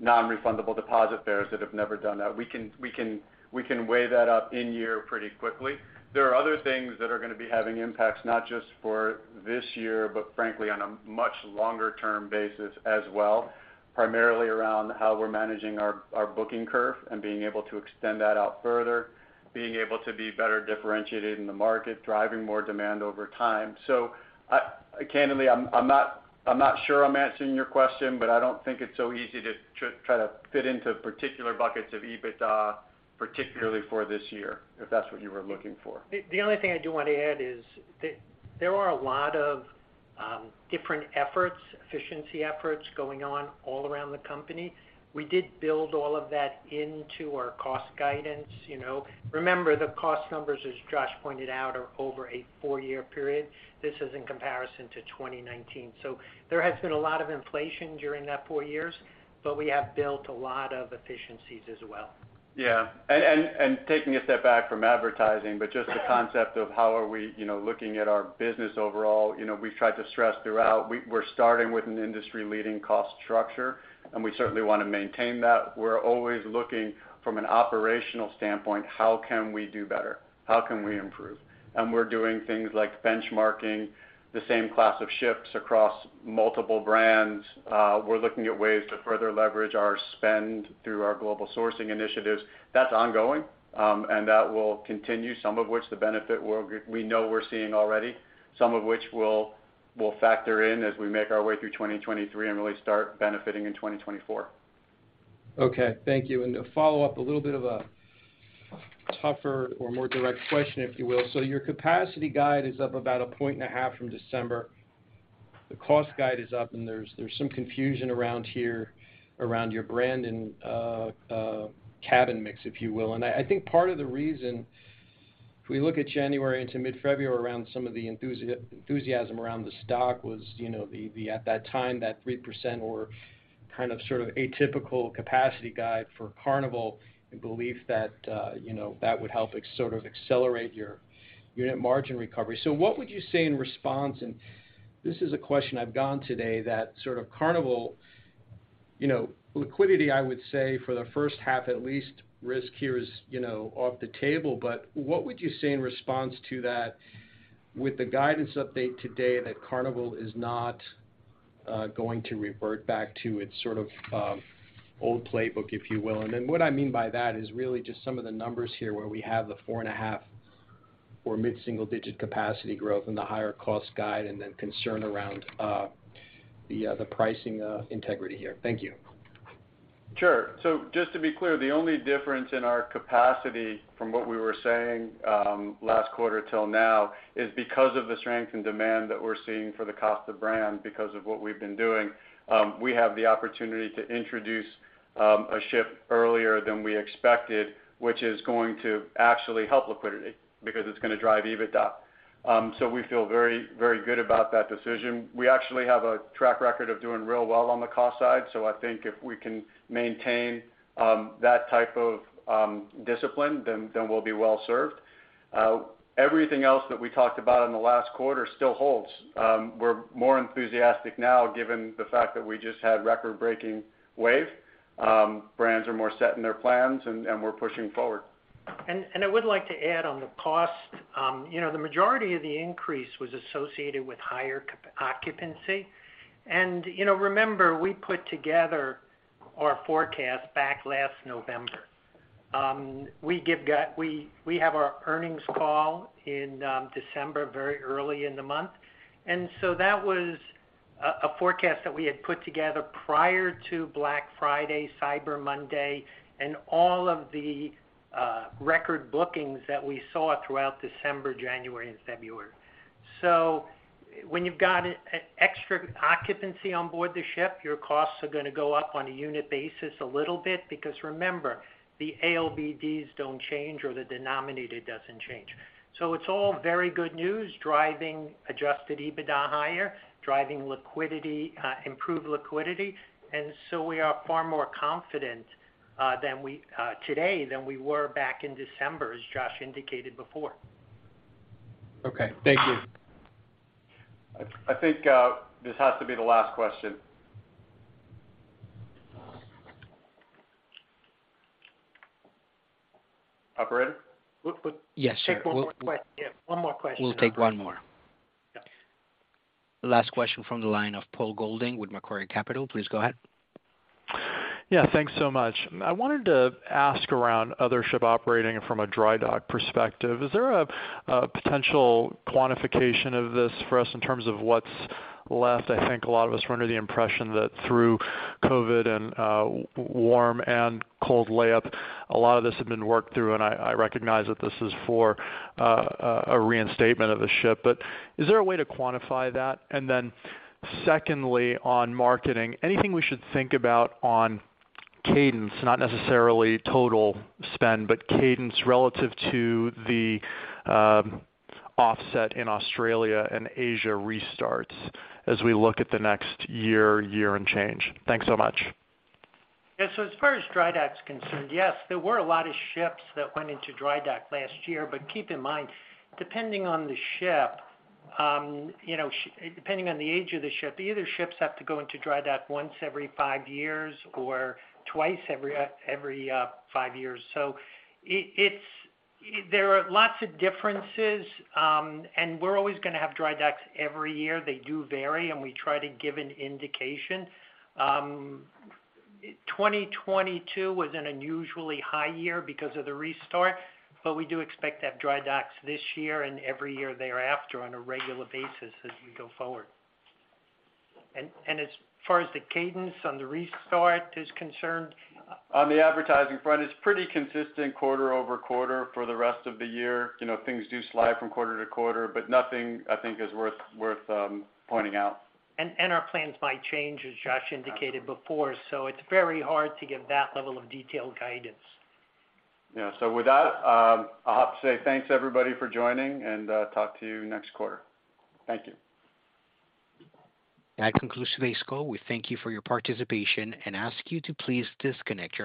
non-refundable deposit fares that have never done that. We can weigh that up in year pretty quickly. There are other things that are gonna be having impacts not just for this year, but frankly, on a much longer term basis as well, primarily around how we're managing our booking curve and being able to extend that out further, being able to be better differentiated in the market, driving more demand over time. Candidly, I'm not sure I'm answering your question, but I don't think it's so easy to try to fit into particular buckets of EBITDA, particularly for this year, if that's what you were looking for. The only thing I do want to add is that there are a lot of different efforts, efficiency efforts going on all around the company. We did build all of that into our cost guidance, you know. Remember, the cost numbers, as Josh pointed out, are over a four-year period. This is in comparison to 2019. There has been a lot of inflation during that four years, but we have built a lot of efficiencies as well. Yeah. Taking a step back from advertising, but just the concept of how are we, you know, looking at our business overall. You know, we've tried to stress throughout, we're starting with an industry-leading cost structure, and we certainly wanna maintain that. We're always looking from an operational standpoint, how can we do better? How can we improve? We're doing things like benchmarking the same class of ships across multiple brands. We're looking at ways to further leverage our spend through our global sourcing initiatives. That's ongoing, and that will continue, some of which the benefit we know we're seeing already, some of which we'll factor in as we make our way through 2023 and really start benefiting in 2024. Okay, thank you. To follow up, a little bit of a tougher or more direct question, if you will. Your capacity guide is up about 1.5 points from December. The cost guide is up, and there's some confusion around here around your brand and cabin mix, if you will. I think part of the reason. If we look at January into mid-February around some of the enthusiasm around the stock was, you know, the at that time, that 3% or kind of sort of atypical capacity guide for Carnival and belief that, you know, that would help sort of accelerate your unit margin recovery. What would you say in response? This is a question I've gotten today that sort of Carnival liquidity, I would say for the first half at least, risk here is off the table. What would you say in response to that with the guidance update today that Carnival is not going to revert back to its sort of old playbook, if you will? What I mean by that is really just some of the numbers here, where we have the 4.5% or mid-single digit capacity growth and the higher cost guide and then concern around the pricing integrity here. Thank you. Sure. Just to be clear, the only difference in our capacity from what we were saying last quarter till now is because of the strength and demand that we're seeing for the Costa brand because of what we've been doing. We have the opportunity to introduce a ship earlier than we expected, which is going to actually help liquidity because it's gonna drive EBITDA. We feel very good about that decision. We actually have a track record of doing real well on the cost side, so I think if we can maintain that type of discipline, then we'll be well served. Everything else that we talked about in the last quarter still holds. We're more enthusiastic now given the fact that we just had record-breaking wave. Brands are more set in their plans and we're pushing forward. I would like to add on the cost. You know, the majority of the increase was associated with higher occupancy. You know, remember, we put together our forecast back last November. We have our earnings call in December, very early in the month. That was a forecast that we had put together prior to Black Friday, Cyber Monday, and all of the record bookings that we saw throughout December, January and February. When you've got extra occupancy on board the ship, your costs are gonna go up on a unit basis a little bit because remember, the ALBDs don't change or the denominator doesn't change. It's all very good news, driving adjusted EBITDA higher, driving liquidity, improved liquidity. We are far more confident today than we were back in December, as Josh indicated before. Okay. Thank you. I think, this has to be the last question. Operator? We, we- Yes, sir. Take one more yeah, one more question. We'll take one more. Yeah. Last question from the line of Paul Golding with Macquarie Capital. Please go ahead. Yeah, thanks so much. I wanted to ask around other ship operating from a dry dock perspective. Is there a potential quantification of this for us in terms of what's left? I think a lot of us were under the impression that through COVID and warm and cold layup, a lot of this had been worked through, and I recognize that this is for a reinstatement of the ship. Is there a way to quantify that? Secondly, on marketing, anything we should think about on cadence, not necessarily total spend, but cadence relative to the offset in Australia and Asia restarts as we look at the next year and change? Thanks so much. As far as dry dock's concerned, yes, there were a lot of ships that went into dry dock last year. Keep in mind, depending on the ship, you know, depending on the age of the ship, either ships have to go into dry dock once every five years or twice every five years. It's there are lots of differences, and we're always gonna have dry docks every year. They do vary, and we try to give an indication. 2022 was an unusually high year because of the restart, we do expect to have dry docks this year and every year thereafter on a regular basis as we go forward. As far as the cadence on the restart is concerned. On the advertising front, it's pretty consistent quarter-over-quarter for the rest of the year. You know, things do slide from quarter to quarter. Nothing, I think, is worth pointing out. Our plans might change, as Josh indicated before, so it's very hard to give that level of detailed guidance. Yeah. With that, I'll have to say thanks everybody for joining, and talk to you next quarter. Thank you. That concludes today's call. We thank you for your participation and ask you to please disconnect your lines.